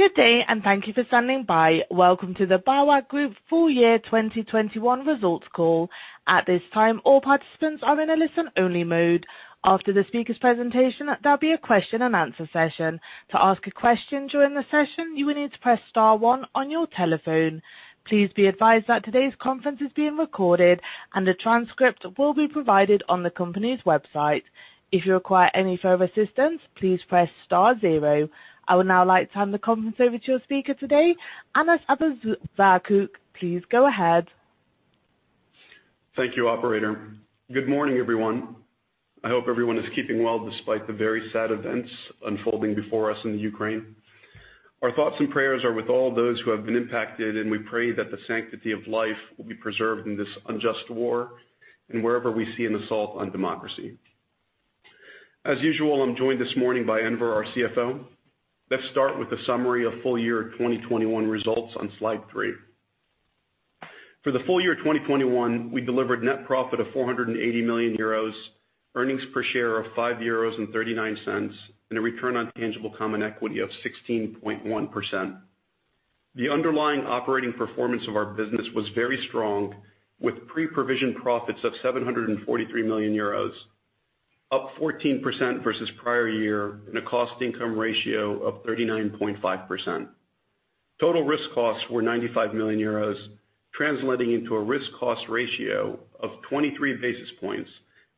Good day, and thank you for standing by. Welcome to the BAWAG Group Full Year 2021 Results Call. At this time, all participants are in a listen-only mode. After the speaker's presentation, there'll be a question-and-answer session. To ask a question during the session, you will need to press star one on your telephone. Please be advised that today's conference is being recorded and a transcript will be provided on the company's website. If you require any further assistance, please press star zero. I would now like to hand the conference over to your speaker today, Anas Abuzaakouk. Please go ahead. Thank you, operator. Good morning, everyone. I hope everyone is keeping well despite the very sad events unfolding before us in the Ukraine. Our thoughts and prayers are with all those who have been impacted, and we pray that the sanctity of life will be preserved in this unjust war and wherever we see an assault on democracy. As usual, I'm joined this morning by Enver Sirucic, our CFO. Let's start with a summary of full year 2021 results on slide three. For the full year 2021, we delivered net profit of 480 million euros, earnings per share of 5.39 euros, and a return on tangible common equity of 16.1%. The underlying operating performance of our business was very strong, with pre-provision profits of 743 million euros, up 14% versus prior year, and a cost-income ratio of 39.5%. Total risk costs were 95 million euros, translating into a risk cost ratio of 23 basis points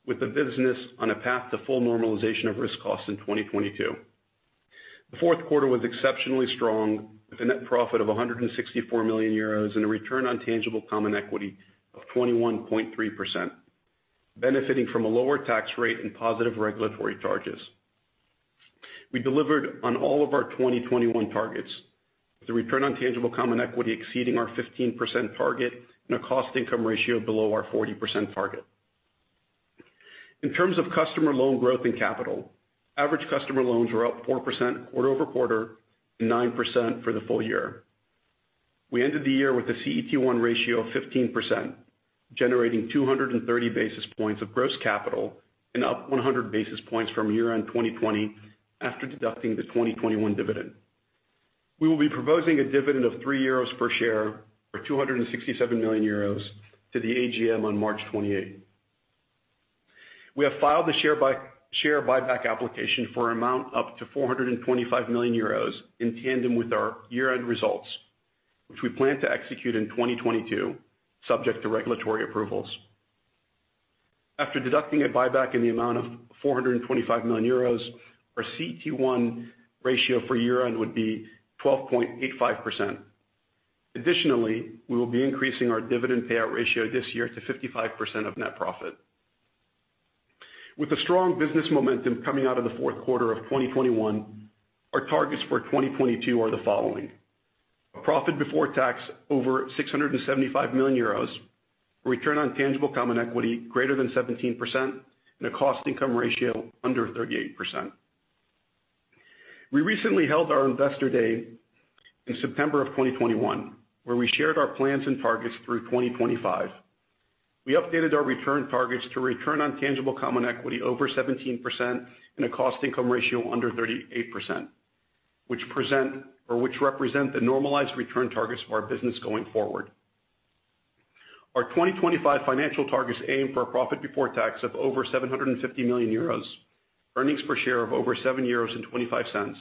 with the business on a path to full normalization of risk costs in 2022. The fourth quarter was exceptionally strong, with a net profit of 164 million euros and a return on tangible common equity of 21.3%, benefiting from a lower tax rate and positive regulatory charges. We delivered on all of our 2021 targets, with a return on tangible common equity exceeding our 15% target and a cost-income ratio below our 40% target. In terms of customer loan growth and capital, average customer loans were up 4% quarter-over-quarter and 9% for the full year. We ended the year with a CET1 ratio of 15%, generating 230 basis points of gross capital and up 100 basis points from year-end 2020 after deducting the 2021 dividend. We will be proposing a dividend of 3 euros per share or 267 million euros to the AGM on March 28. We have filed the share buyback application for an amount up to 425 million euros in tandem with our year-end results, which we plan to execute in 2022, subject to regulatory approvals. After deducting a buyback in the amount of 425 million euros, our CET1 ratio for year-end would be 12.85%. Additionally, we will be increasing our dividend payout ratio this year to 55% of net profit. With the strong business momentum coming out of the fourth quarter of 2021, our targets for 2022 are the following, a profit before tax over 675 million euros, return on tangible common equity greater than 17% and a cost income ratio under 38%. We recently held our Investor Day in September of 2021, where we shared our plans and targets through 2025. We updated our return targets to return on tangible common equity over 17% and a cost income ratio under 38%, which represent the normalized return targets for our business going forward. Our 2025 financial targets aim for a profit before tax of over 750 million euros, earnings per share of over 7.25 euros,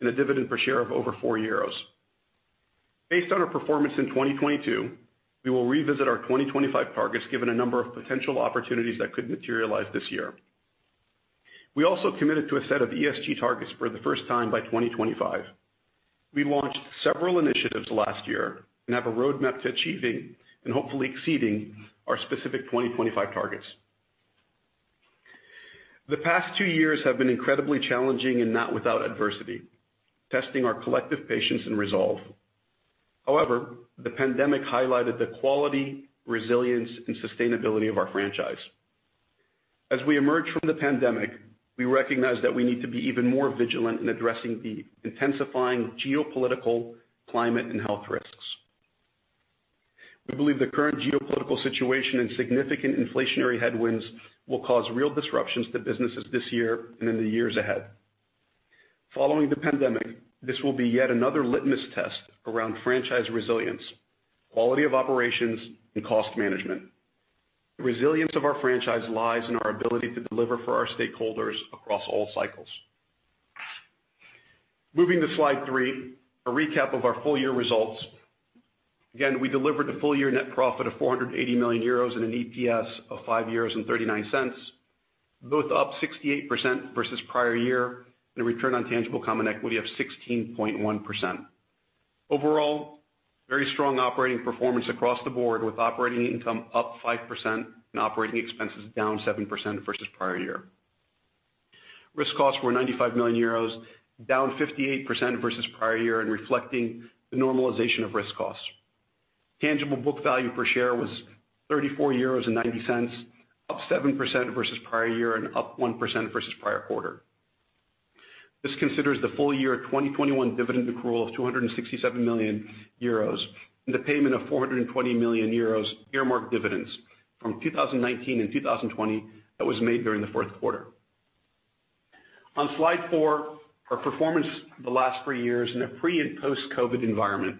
and a dividend per share of over 4 euros. Based on our performance in 2022, we will revisit our 2025 targets given a number of potential opportunities that could materialize this year. We also committed to a set of ESG targets for the first time by 2025. We launched several initiatives last year and have a roadmap to achieving and hopefully exceeding our specific 2025 targets. The past two years have been incredibly challenging and not without adversity, testing our collective patience and resolve. However, the pandemic highlighted the quality, resilience, and sustainability of our franchise. As we emerge from the pandemic, we recognize that we need to be even more vigilant in addressing the intensifying geopolitical climate and health risks. We believe the current geopolitical situation and significant inflationary headwinds will cause real disruptions to businesses this year and in the years ahead. Following the pandemic, this will be yet another litmus test around franchise resilience, quality of operations, and cost management. The resilience of our franchise lies in our ability to deliver for our stakeholders across all cycles. Moving to slide three, a recap of our full year results. Again, we delivered a full year net profit of 480 million euros and an EPS of 5.39 euros, both up 68% versus prior year, and a return on tangible common equity of 16.1%. Overall, very strong operating performance across the board, with operating income up 5% and operating expenses down 7% versus prior year. Risk costs were 95 million euros, down 58% versus prior year and reflecting the normalization of risk costs. Tangible book value per share was 34.90 euros, up 7% versus prior year and up 1% versus prior quarter. This considers the full year 2021 dividend accrual of 267 million euros and a payment of 420 million euros earmarked dividends from 2019 and 2020 that was made during the fourth quarter. On slide four, our performance over the last three years in a pre- and post-COVID environment.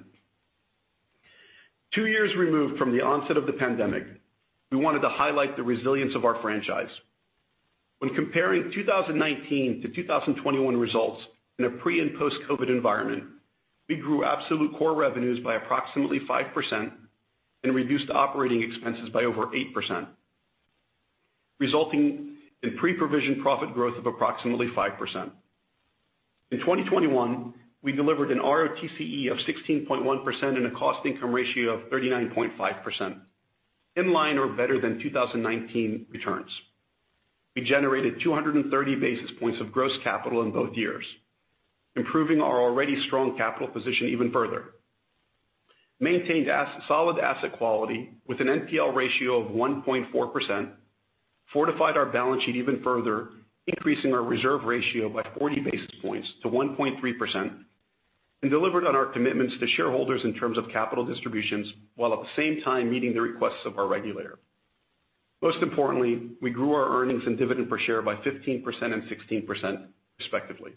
Two years removed from the onset of the pandemic, we wanted to highlight the resilience of our franchise. When comparing 2019-2021 results in a pre- and post-COVID environment, we grew absolute core revenues by approximately 5% and reduced operating expenses by over 8%, resulting in pre-provision profit growth of approximately 5%. In 2021, we delivered an ROTCE of 16.1% and a cost-income ratio of 39.5%, in line or better than 2019 returns. We generated 230 basis points of gross capital in both years, improving our already strong capital position even further. Maintained as-solid asset quality with an NPL ratio of 1.4%, fortified our balance sheet even further, increasing our reserve ratio by 40 basis points to 1.3%, and delivered on our commitments to shareholders in terms of capital distributions while at the same time meeting the requests of our regulator. Most importantly, we grew our earnings and dividend per share by 15% and 16% respectively.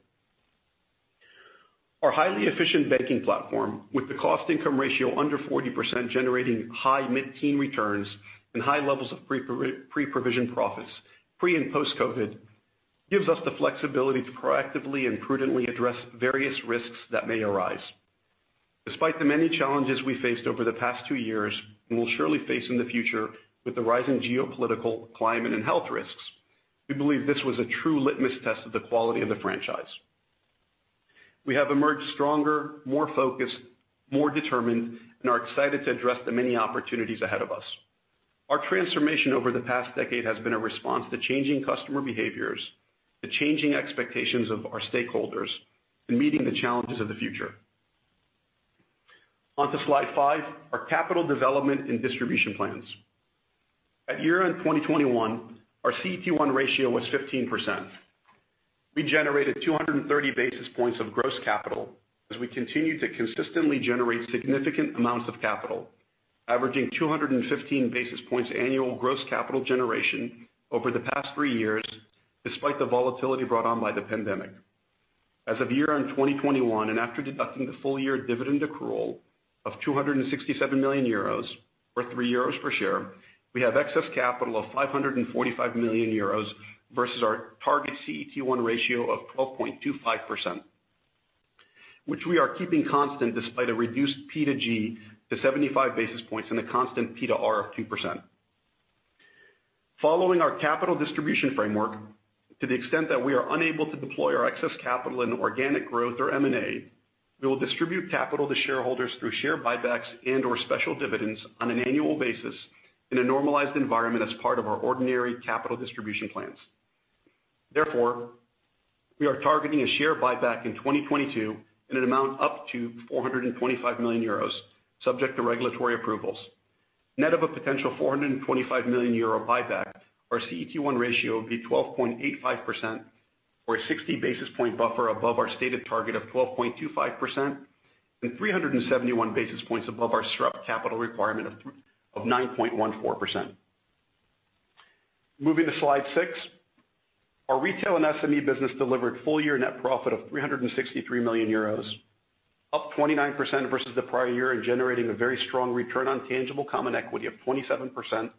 Our highly efficient banking platform, with the cost income ratio under 40% generating high mid-teen returns and high levels of pre-provision profits, pre and post COVID, gives us the flexibility to proactively and prudently address various risks that may arise. Despite the many challenges we faced over the past two years, and will surely face in the future with the rising geopolitical, climate, and health risks, we believe this was a true litmus test of the quality of the franchise. We have emerged stronger, more focused, more determined, and are excited to address the many opportunities ahead of us. Our transformation over the past decade has been a response to changing customer behaviors, the changing expectations of our stakeholders, and meeting the challenges of the future. Onto slide five, our capital development and distribution plans. At year-end 2021, our CET1 ratio was 15%. We generated 230 basis points of gross capital as we continued to consistently generate significant amounts of capital, averaging 215 basis points annual gross capital generation over the past three years, despite the volatility brought on by the pandemic. As of year-end 2021, and after deducting the full year dividend accrual of 267 million euros or 3 euros per share, we have excess capital of 545 million euros versus our target CET1 ratio of 12.25%, which we are keeping constant despite a reduced P2G to 75 basis points and a constant P2R of 2%. Following our capital distribution framework, to the extent that we are unable to deploy our excess capital in organic growth or M&A, we will distribute capital to shareholders through share buybacks and/or special dividends on an annual basis in a normalized environment as part of our ordinary capital distribution plans. Therefore, we are targeting a share buyback in 2022 in an amount up to 425 million euros subject to regulatory approvals. Net of a potential 425 million euro buyback, our CET1 ratio would be 12.85% or a 60 basis points buffer above our stated target of 12.25% and 371 basis points above our SREP capital requirement of nine point one four percent. Moving to slide six. Our Retail & SME business delivered full year net profit of 363 million euros, up 29% versus the prior year and generating a very strong return on tangible common equity of 27% and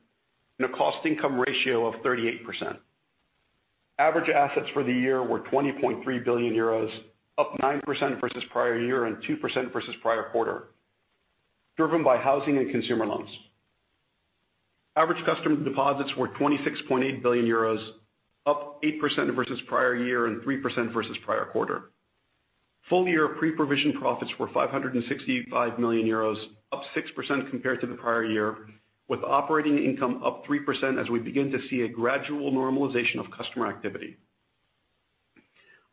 a cost income ratio of 38%. Average assets for the year were 20.3 billion euros, up 9% versus prior year and 2% versus prior quarter, driven by housing and consumer loans. Average customer deposits were 26.8 billion euros, up 8% versus prior year and 3% versus prior quarter. Full year pre-provision profits were 565 million euros, up 6% compared to the prior year, with operating income up 3% as we begin to see a gradual normalization of customer activity.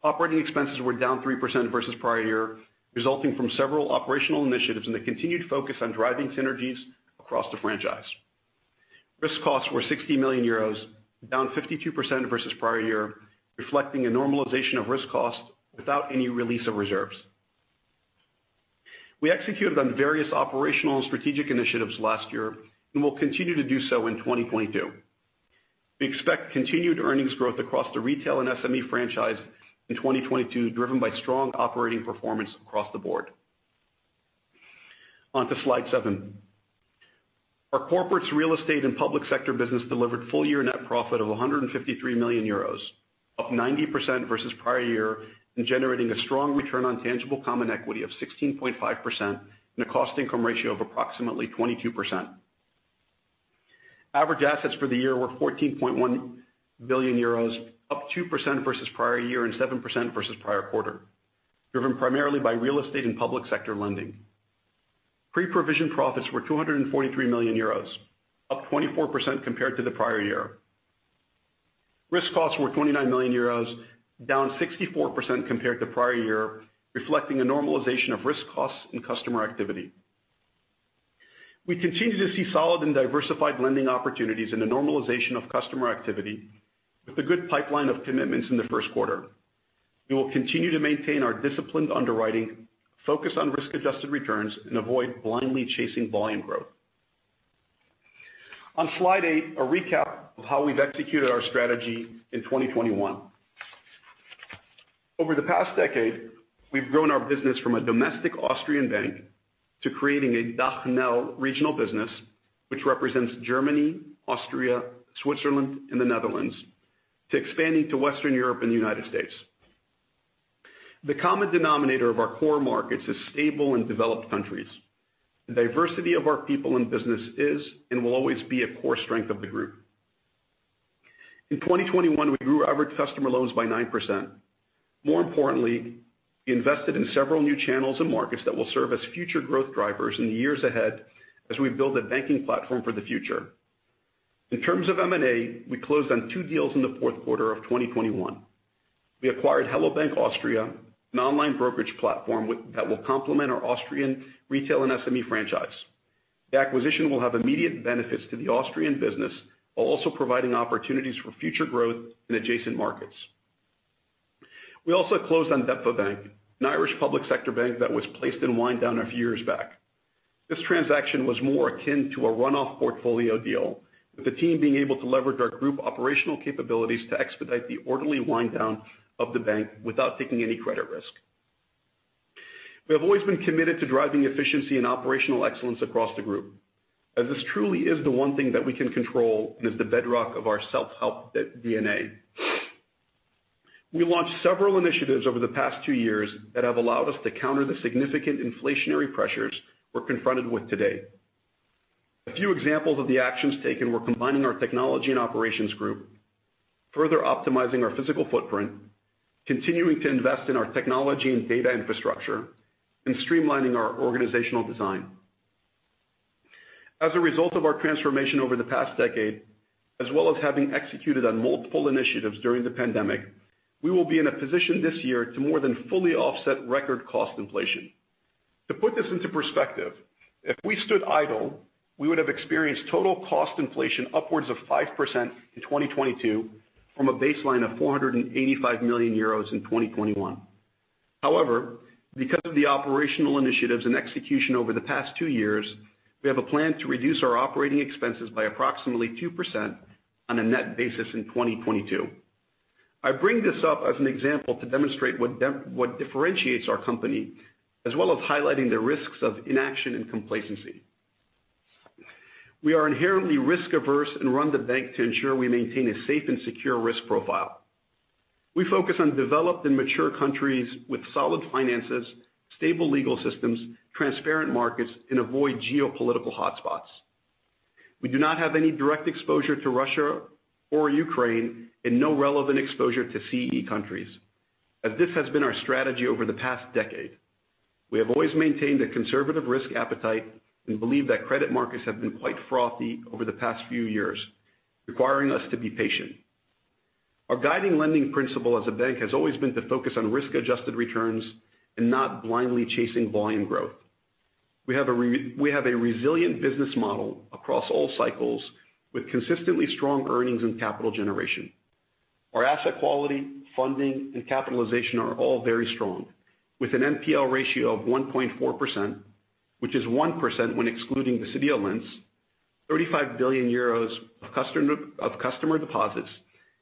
Operating expenses were down 3% versus prior year, resulting from several operational initiatives and the continued focus on driving synergies across the franchise. Risk costs were 60 million euros, down 52% versus prior year, reflecting a normalization of risk costs without any release of reserves. We executed on various operational and strategic initiatives last year and will continue to do so in 2022. We expect continued earnings growth across the Retail & SME franchise in 2022, driven by strong operating performance across the board. On to slide seven. Our Corporates, Real Estate, and Public Sector business delivered full year net profit of 153 million euros, up 90% versus prior year and generating a strong return on tangible common equity of 16.5% and a cost income ratio of approximately 22%. Average assets for the year were 14.1 billion euros, up 2% versus prior year and 7% versus prior quarter, driven primarily by real estate and public sector lending. Pre-provision profits were 243 million euros, up 24% compared to the prior year. Risk costs were 29 million euros, down 64% compared to prior year, reflecting a normalization of risk costs and customer activity. We continue to see solid and diversified lending opportunities and a normalization of customer activity with a good pipeline of commitments in the first quarter. We will continue to maintain our disciplined underwriting, focus on risk-adjusted returns, and avoid blindly chasing volume growth. On slide eight, a recap of how we've executed our strategy in 2021. Over the past decade, we've grown our business from a domestic Austrian bank to creating a DACH/NL regional business which represents Germany, Austria, Switzerland, and the Netherlands, to expanding to Western Europe and the United States. The common denominator of our core markets is stable and developed countries. The diversity of our people and business is and will always be a core strength of the group. In 2021, we grew average customer loans by 9%. More importantly, we invested in several new channels and markets that will serve as future growth drivers in the years ahead as we build a banking platform for the future. In terms of M&A, we closed on two deals in the fourth quarter of 2021. We acquired Hello bank! Austria, an online brokerage platform that will complement our Austrian Retail & SME franchise. The acquisition will have immediate benefits to the Austrian business while also providing opportunities for future growth in adjacent markets. We also closed on DEPFA Bank, an Irish public sector bank that was placed in wind down a few years back. This transaction was more akin to a runoff portfolio deal, with the team being able to leverage our group operational capabilities to expedite the orderly wind down of the bank without taking any credit risk. We have always been committed to driving efficiency and operational excellence across the group, as this truly is the one thing that we can control and is the bedrock of our "self-help" DNA. We launched several initiatives over the past two years that have allowed us to counter the significant inflationary pressures we're confronted with today. A few examples of the actions taken were combining our technology and operations group, further optimizing our physical footprint, continuing to invest in our technology and data infrastructure, and streamlining our organizational design. As a result of our transformation over the past decade, as well as having executed on multiple initiatives during the pandemic, we will be in a position this year to more than fully offset record cost inflation. To put this into perspective, if we stood idle, we would have experienced total cost inflation upwards of 5% in 2022 from a baseline of 485 million euros in 2021. However, because of the operational initiatives and execution over the past two years, we have a plan to reduce our operating expenses by approximately 2% on a net basis in 2022. I bring this up as an example to demonstrate what differentiates our company, as well as highlighting the risks of inaction and complacency. We are inherently risk-averse and run the bank to ensure we maintain a safe and secure risk profile. We focus on developed and mature countries with solid finances, stable legal systems, transparent markets, and avoid geopolitical hotspots. We do not have any direct exposure to Russia or Ukraine and no relevant exposure to CEE countries, as this has been our strategy over the past decade. We have always maintained a conservative risk appetite and believe that credit markets have been quite frothy over the past few years, requiring us to be patient. Our guiding lending principle as a bank has always been to focus on risk-adjusted returns and not blindly chasing volume growth. We have a resilient business model across all cycles with consistently strong earnings and capital generation. Our asset quality, funding, and capitalization are all very strong, with an NPL ratio of 1.4%, which is 1% when excluding the City of Linz, 35 billion euros of customer deposits,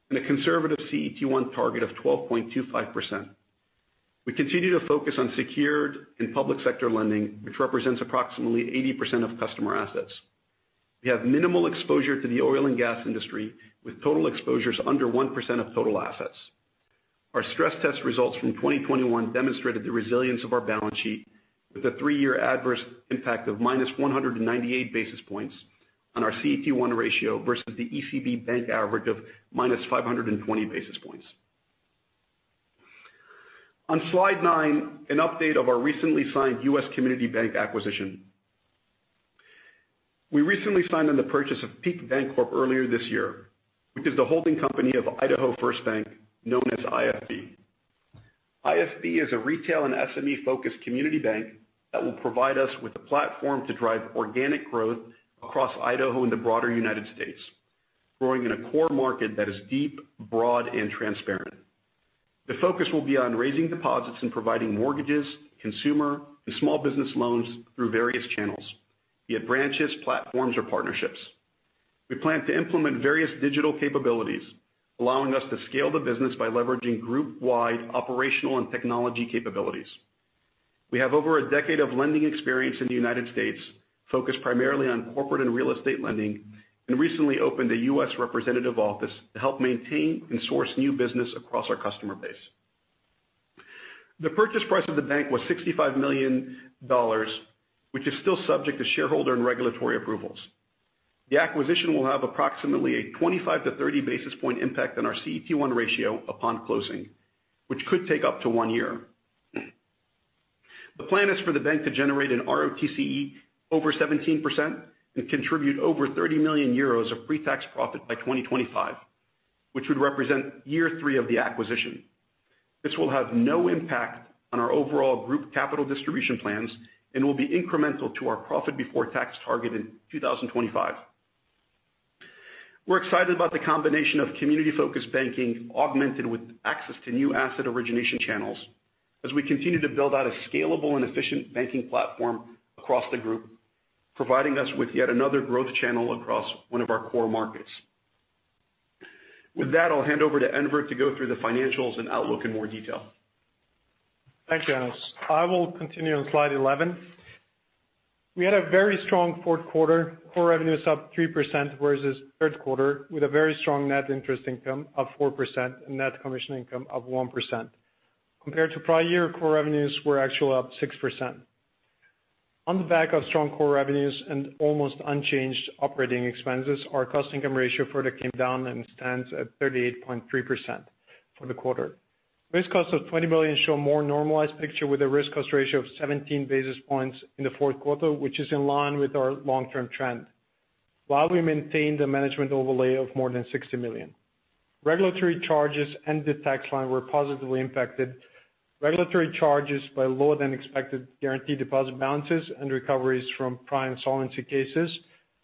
and a conservative CET1 target of 12.25%. We continue to focus on secured and public sector lending, which represents approximately 80% of customer assets. We have minimal exposure to the oil and gas industry, with total exposures under 1% of total assets. Our stress test results from 2021 demonstrated the resilience of our balance sheet with a three-year adverse impact of -198 basis points on our CET1 ratio versus the ECB bank average of -520 basis points. On slide nine, an update on our recently signed U.S. community bank acquisition. We recently signed on the purchase of Peak Bancorp earlier this year, which is the holding company of Idaho First Bank, known as IFB. IFB is a Retail & SME-focused community bank that will provide us with the platform to drive organic growth across Idaho and the broader United States, growing in a core market that is deep, broad, and transparent. The focus will be on raising deposits and providing mortgages, consumer, and small business loans through various channels, be it branches, platforms, or partnerships. We plan to implement various digital capabilities, allowing us to scale the business by leveraging group-wide operational and technology capabilities. We have over a decade of lending experience in the United States, focused primarily on corporate and real estate lending, and recently opened a U.S. representative office to help maintain and source new business across our customer base. The purchase price of the bank was $65 million, which is still subject to shareholder and regulatory approvals. The acquisition will have approximately a 25-30 basis points impact on our CET1 ratio upon closing, which could take up to 1 year. The plan is for the bank to generate an ROTCE over 17% and contribute over 30 million euros of pre-tax profit by 2025, which would represent year three of the acquisition. This will have no impact on our overall group capital distribution plans and will be incremental to our profit before tax target in 2025. We're excited about the combination of community-focused banking augmented with access to new asset origination channels as we continue to build out a scalable and efficient banking platform across the group, providing us with yet another growth channel across one of our core markets. With that, I'll hand over to Enver to go through the financials and outlook in more detail. Thank you, Anas. I will continue on slide 11. We had a very strong fourth quarter, core revenues is up 3%, whereas this third quarter, with a very strong net interest income of 4% and net commission income of 1%. Compared to prior year, core revenues were actually up 6%. On the back of strong core revenues and almost unchanged operating expenses, our cost-income ratio further came down and stands at 38.3% for the quarter. Risk cost of 20 million show more normalized picture with a risk cost ratio of 17 basis points in the fourth quarter, which is in line with our long-term trend, while we maintain the management overlay of more than 60 million. Regulatory charges and the tax line were positively impacted. Regulatory charges by lower than expected guaranteed deposit balances and recoveries from prior insolvency cases,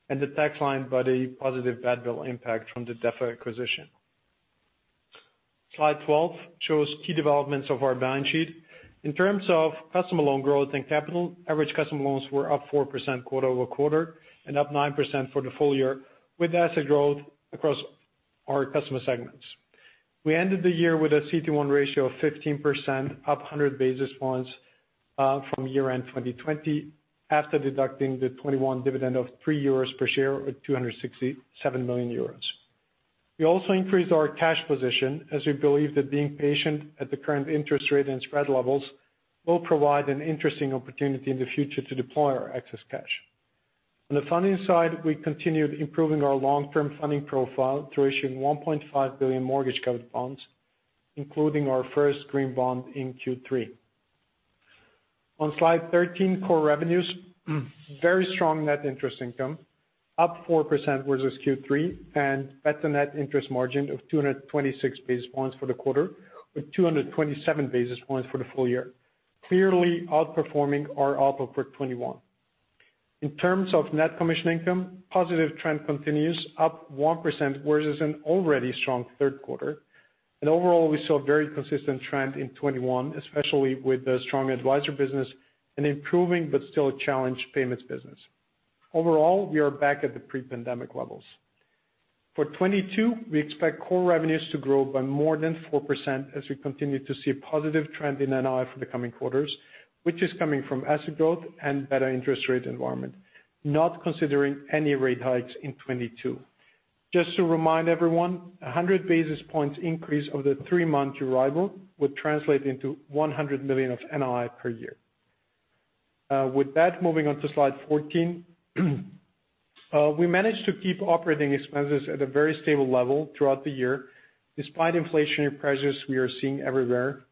and the tax line by the positive goodwill impact from the DEPFA acquisition. Slide 12 shows key developments of our balance sheet. In terms of customer loan growth and capital, average customer loans were up 4% quarter-over-quarter and up 9% for the full year, with asset growth across our customer segments. We ended the year with a CET1 ratio of 15%, up 100 basis points from year-end 2020, after deducting the 2021 dividend of 3 euros per share at 267 million euros. We also increased our cash position as we believe that being patient at the current interest rate and spread levels will provide an interesting opportunity in the future to deploy our excess cash. On the funding side, we continued improving our long-term funding profile through issuing 1.5 billion mortgage-covered bonds, including our first green bond in Q3. On slide 13, core revenues, very strong net interest income, up 4% versus Q3, and at the net interest margin of 226 basis points for the quarter, with 227 basis points for the full year, clearly outperforming our outlook for 2021. In terms of net commission income, positive trend continues, up 1% versus an already strong third quarter. Overall, we saw a very consistent trend in 2021, especially with the strong advisor business and improving but still a challenged payments business. Overall, we are back at the pre-pandemic levels. For 2022, we expect core revenues to grow by more than 4% as we continue to see a positive trend in NII for the coming quarters, which is coming from asset growth and better interest rate environment, not considering any rate hikes in 2022. Just to remind everyone, 100 basis points increase over the three-month Euribor would translate into 100 million of NII per year. With that, moving on to slide 14. We managed to keep operating expenses at a very stable level throughout the year, despite inflationary pressures we are seeing everywhere.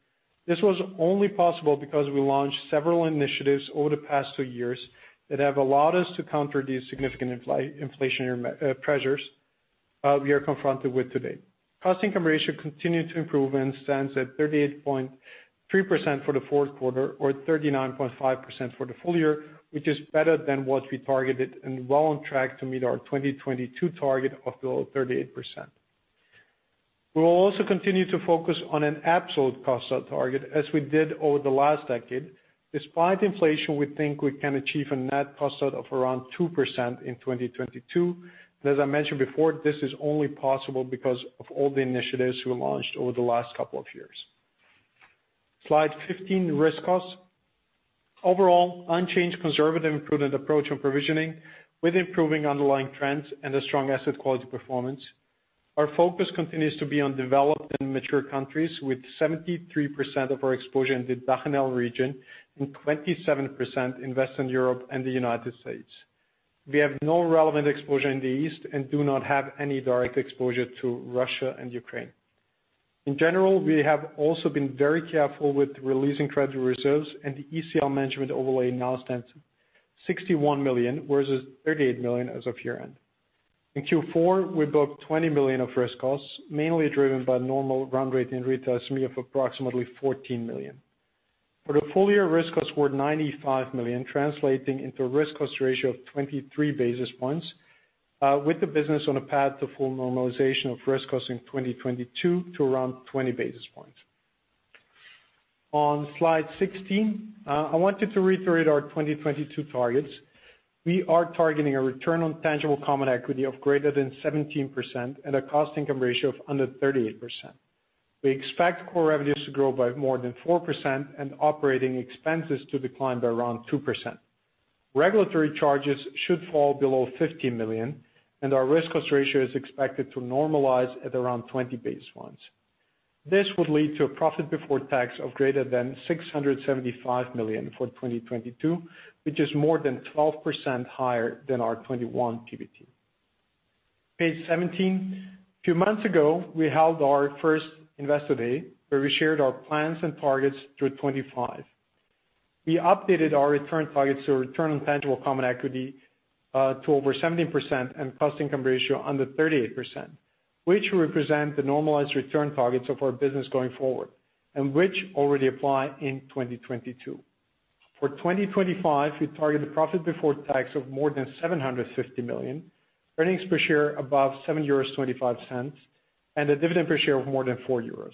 This was only possible because we launched several initiatives over the past two years that have allowed us to counter these significant inflationary pressures we are confronted with today. Cost-income ratio continued to improve and stands at 38.3% for the fourth quarter, or 39.5% for the full year, which is better than what we targeted and well on track to meet our 2022 target of below 38%. We will also continue to focus on an absolute cost out target as we did over the last decade. Despite inflation, we think we can achieve a net cost out of around 2% in 2022. As I mentioned before, this is only possible because of all the initiatives we launched over the last couple of years. Slide 15, risk costs. Overall, unchanged conservative prudent approach on provisioning with improving underlying trends and a strong asset quality performance. Our focus continues to be on developed and mature countries, with 73% of our exposure in the DACH/NL region and 27% in Western Europe and the United States. We have no relevant exposure in the East and do not have any direct exposure to Russia and Ukraine. In general, we have also been very careful with releasing credit reserves, and the ECL management overlay now stands 61 million, whereas it's 38 million as of year-end. In Q4, we booked 20 million of risk costs, mainly driven by normal run rate in Retail & SME of approximately 14 million. For the full year, risk costs were 95 million, translating into a risk cost ratio of 23 basis points, with the business on a path to full normalization of risk costs in 2022 to around 20 basis points. On slide 16, I wanted to reiterate our 2022 targets. We are targeting a return on tangible common equity of greater than 17% and a cost-income ratio of under 38%. We expect core revenues to grow by more than 4% and operating expenses to decline by around 2%. Regulatory charges should fall below 50 million, and our risk cost ratio is expected to normalize at around 20 basis points. This would lead to a profit before tax of greater than 675 million for 2022, which is more than 12% higher than our 2021 PBT. Page 17. A few months ago, we held our first Investor Day, where we shared our plans and targets through 2025. We updated our return targets to a return on tangible common equity to over 17% and cost-income ratio under 38%, which will represent the normalized return targets of our business going forward and which already apply in 2022. For 2025, we target a profit before tax of more than 750 million, earnings per share above 7.25 euros, and a dividend per share of more than 4 euros.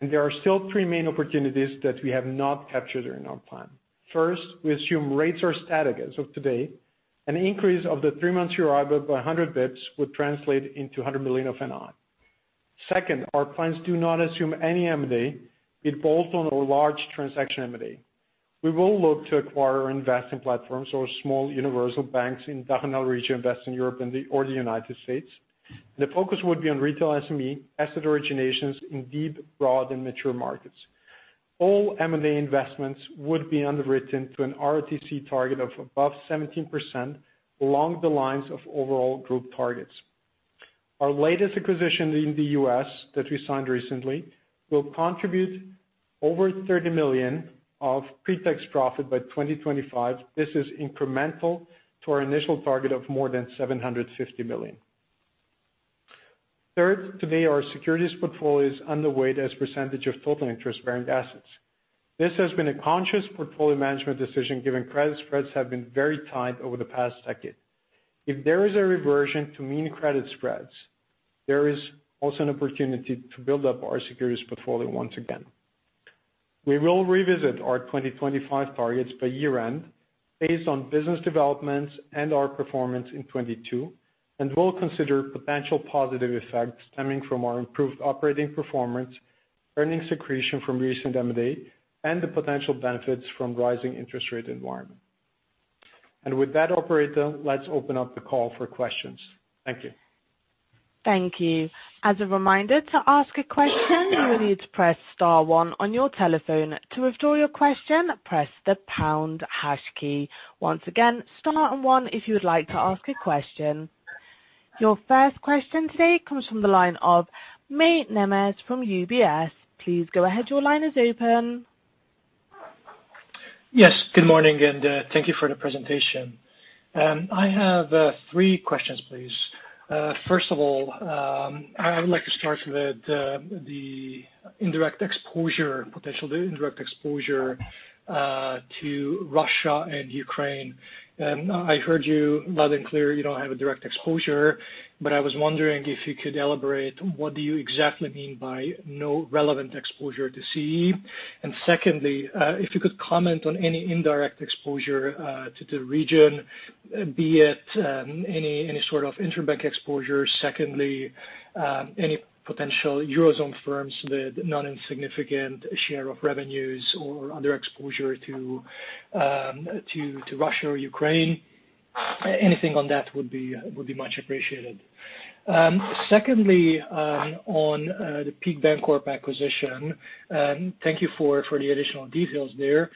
There are still three main opportunities that we have not captured in our plan. First, we assume rates are static as of today. An increase of the three-month Euribor by 100 basis points would translate into 100 million of NII. Second, our plans do not assume any M&A, be it bolt-on or large transaction M&A. We will look to acquire investing platforms or small universal banks in the DACH/NL region, Western Europe, or the United States. The focus would be on Retail & SME, asset originations in deep, broad, and mature markets. All M&A investments would be underwritten to an RoTCE target of above 17% along the lines of overall group targets. Our latest acquisition in the U.S. that we signed recently will contribute over 30 million of pre-tax profit by 2025. This is incremental to our initial target of more than 750 million. Third, today our securities portfolio is underweight as a percentage of total interest-bearing assets. This has been a conscious portfolio management decision, given credit spreads have been very tight over the past decade. If there is a reversion to mean credit spreads, there is also an opportunity to build up our securities portfolio once again. We will revisit our 2025 targets by year-end based on business developments and our performance in 2022, and we'll consider potential positive effects stemming from our improved operating performance, earnings accretion from recent M&A, and the potential benefits from rising interest rate environment. With that, operator, let's open up the call for questions. Thank you. Your first question today comes from the line of Mate Nemes from UBS. Please go ahead. Your line is open. Yes, good morning, and thank you for the presentation. I have three questions, please. First of all, I would like to start with the indirect exposure, potential indirect exposure to Russia and Ukraine. I heard you loud and clear, you don't have a direct exposure, but I was wondering if you could elaborate what do you exactly mean by no relevant exposure to CEE? Secondly, if you could comment on any indirect exposure to the region, be it any sort of interbank exposure. Secondly, any potential Eurozone firms with non-insignificant share of revenues or other exposure to Russia or Ukraine. Anything on that would be much appreciated. Secondly, on the Peak Bancorp acquisition, thank you for the additional details there.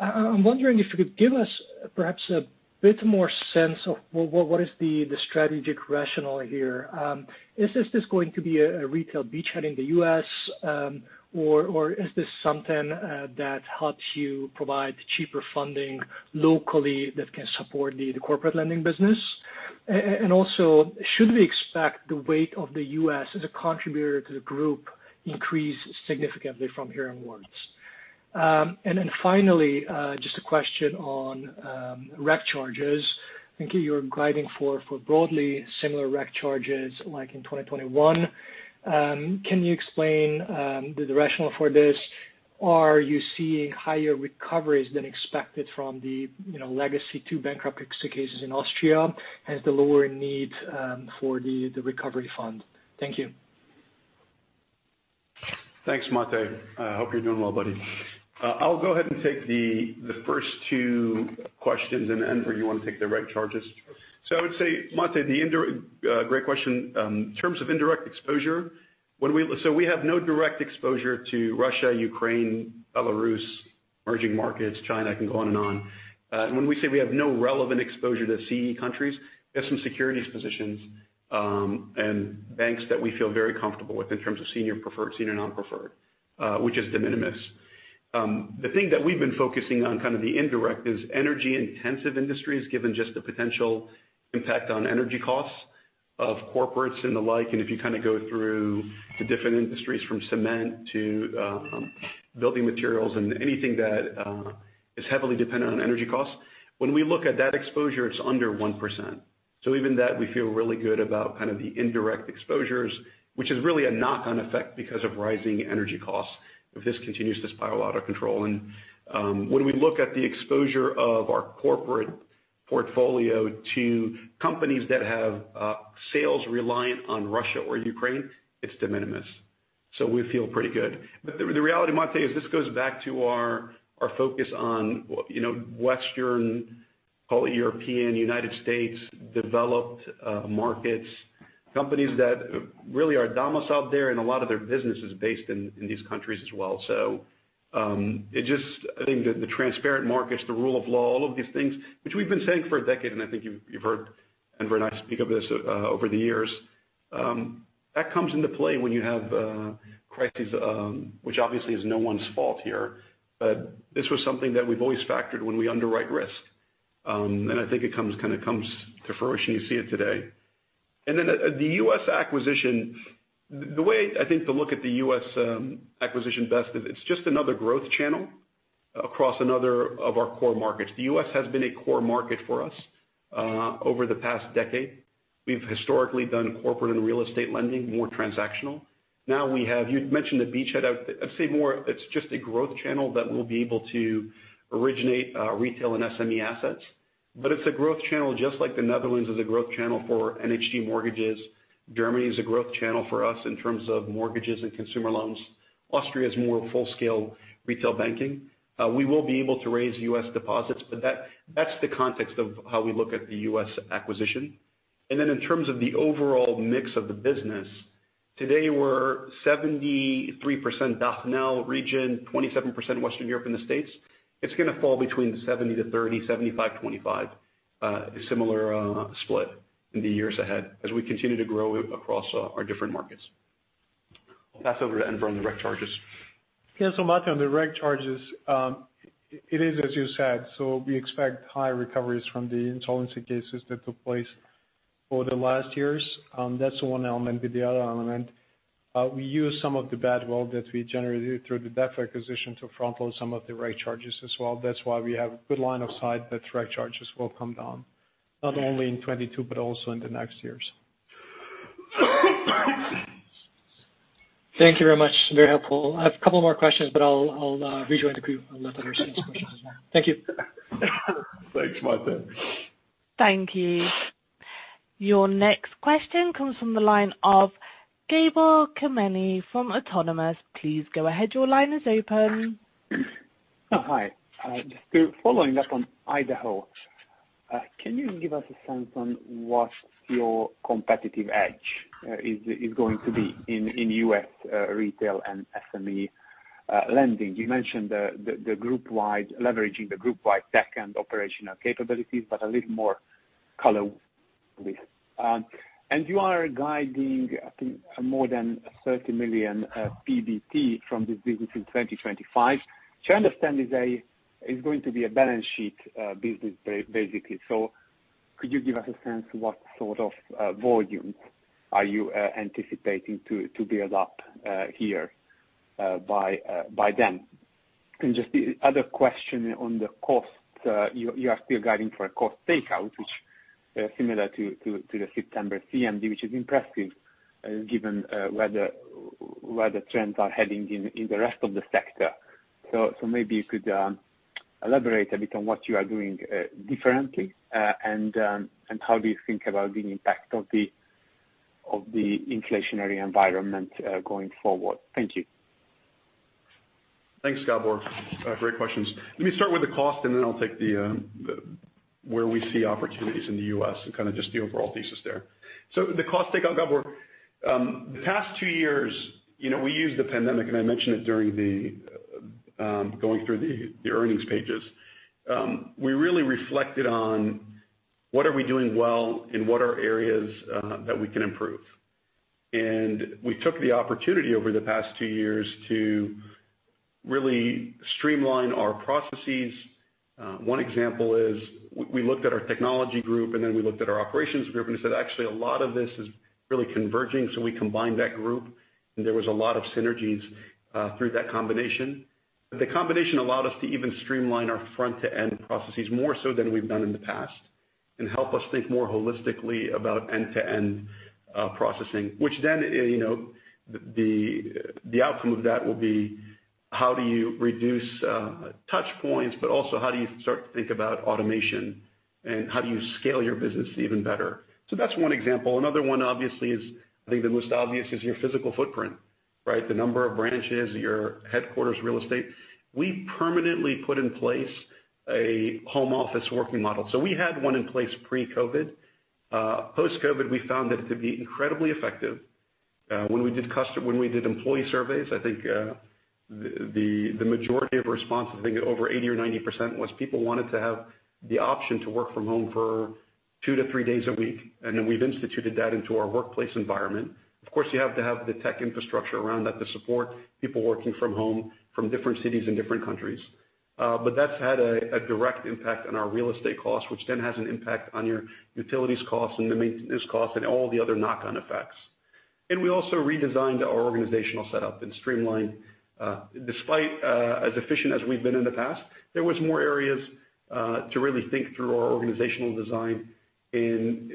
I'm wondering if you could give us perhaps a bit more sense of what is the strategic rationale here. Is this just going to be a retail beachhead in the U.S., or is this something that helps you provide cheaper funding locally that can support the corporate lending business? Should we expect the weight of the U.S. as a contributor to the group increase significantly from here onwards? Finally, just a question on reg charges. I think you're guiding for broadly similar reg charges like in 2021. Can you explain the rationale for this? Are you seeing higher recoveries than expected from the, you know, legacy two bankruptcy cases in Austria? Hence, the lower need for the recovery fund. Thank you. Thanks, Mate. I hope you're doing well, buddy. I'll go ahead and take the first two questions, and then, Enver, you want to take the reg charges? I would say, Mate, great question. In terms of indirect exposure, so we have no direct exposure to Russia, Ukraine, Belarus, emerging markets, China, I can go on and on. And when we say we have no relevant exposure to CEE countries, we have some securities positions, and banks that we feel very comfortable with in terms of senior preferred, senior non-preferred, which is de minimis. The thing that we've been focusing on, kind of the indirect, is energy-intensive industries, given just the potential impact on energy costs of corporates and the like. If you kind of go through the different industries from cement to building materials and anything that is heavily dependent on energy costs, when we look at that exposure, it's under 1%. Even that, we feel really good about kind of the indirect exposures, which is really a knock-on effect because of rising energy costs if this continues to spiral out of control. When we look at the exposure of our corporate portfolio to companies that have sales reliant on Russia or Ukraine, it's de minimis. We feel pretty good. The reality, Mate, is this goes back to our focus on, you know, Western, call it European, United States, developed markets, companies that really are domiciled there, and a lot of their business is based in these countries as well. I think the transparent markets, the rule of law, all of these things, which we've been saying for a decade, and I think you've heard Enver and I speak of this, over the years, that comes into play when you have crises, which obviously is no one's fault here. This was something that we've always factored when we underwrite risk. I think it kind of comes to fruition. You see it today. The U.S. acquisition, the way I think to look at the U.S. acquisition best is it's just another growth channel across another of our core markets. The U.S. has been a core market for us over the past decade. We've historically done corporate and real estate lending, more transactional. Now we have. You'd mentioned the beachhead. I'd say more it's just a growth channel that we'll be able to originate Retail & SME assets. It's a growth channel just like the Netherlands is a growth channel for NHG mortgages. Germany is a growth channel for us in terms of mortgages and consumer loans. Austria is more full-scale retail banking. We will be able to raise U.S. deposits, but that's the context of how we look at the U.S. acquisition. Then in terms of the overall mix of the business, today we're 73% DACH/NL region, 27% Western Europe and the States. It's gonna fall between 70%-30%, 75%-25%, a similar split in the years ahead as we continue to grow across our different markets. I'll pass over to Enver on the regulatory charges. Mate, on the regulatory charges, it is as you said. We expect high recoveries from the insolvency cases that took place over the last years. That's one element. The other element, we use some of the goodwill that we generated through the DEPFA acquisition to front-load some of the regulatory charges as well. That's why we have good line of sight that reg charges will come down, not only in 2022, but also in the next years. Thank you very much. Very helpful. I have a couple more questions, but I'll rejoin the group and let others ask questions now. Thank you. Thanks, Mate. Thank you. Your next question comes from the line of Gabor Kemeny from Autonomous. Please go ahead, your line is open. Oh, hi. Just following up on Idaho. Can you give us a sense on what your competitive edge is going to be in U.S. Retail & SME lending? You mentioned the group-wide leveraging the group-wide tech and operational capabilities, but a little more color please. You are guiding, I think, more than 30 million PBT from this business in 2025. Which I understand is going to be a balance sheet business basically. Could you give us a sense what sort of volumes are you anticipating to build up here by then? Just the other question on the costs. You are still guiding for a cost takeout, which is similar to the September CMD, which is impressive, given where the trends are heading in the rest of the sector. Maybe you could elaborate a bit on what you are doing differently, and how do you think about the impact of the inflationary environment going forward? Thank you. Thanks, Gabor. Great questions. Let me start with the cost and then I'll take where we see opportunities in the U.S. and kind of just the overall thesis there. The cost takeout, Gabor. The past two years, you know, we used the pandemic, and I mentioned it during the going through the earnings pages. We really reflected on what are we doing well and what are areas that we can improve. We took the opportunity over the past two years to really streamline our processes. One example is we looked at our technology group and then we looked at our operations group and we said, "Actually, a lot of this is really converging," so we combined that group, and there was a lot of synergies through that combination. The combination allowed us to even streamline our front-to-end processes more so than we've done in the past and help us think more holistically about end-to-end processing, which then the outcome of that will be how do you reduce touch points, but also how do you start to think about automation and how do you scale your business even better? That's one example. Another one obviously is, I think the most obvious is your physical footprint, right? The number of branches, your headquarters real estate. We permanently put in place a home office working model. We had one in place pre-COVID. post-COVID, we found that to be incredibly effective. When we did employee surveys, I think, the majority of responses, I think over 80% or 90%, was people wanted to have the option to work from home for 2 to 3 days a week, and then we've instituted that into our workplace environment. Of course, you have to have the tech infrastructure around that to support people working from home from different cities and different countries. But that's had a direct impact on our real estate costs, which then has an impact on your utilities costs and the maintenance costs and all the other knock-on effects. We also redesigned our organizational setup and streamlined. Despite, as efficient as we've been in the past, there was more areas, to really think through our organizational design and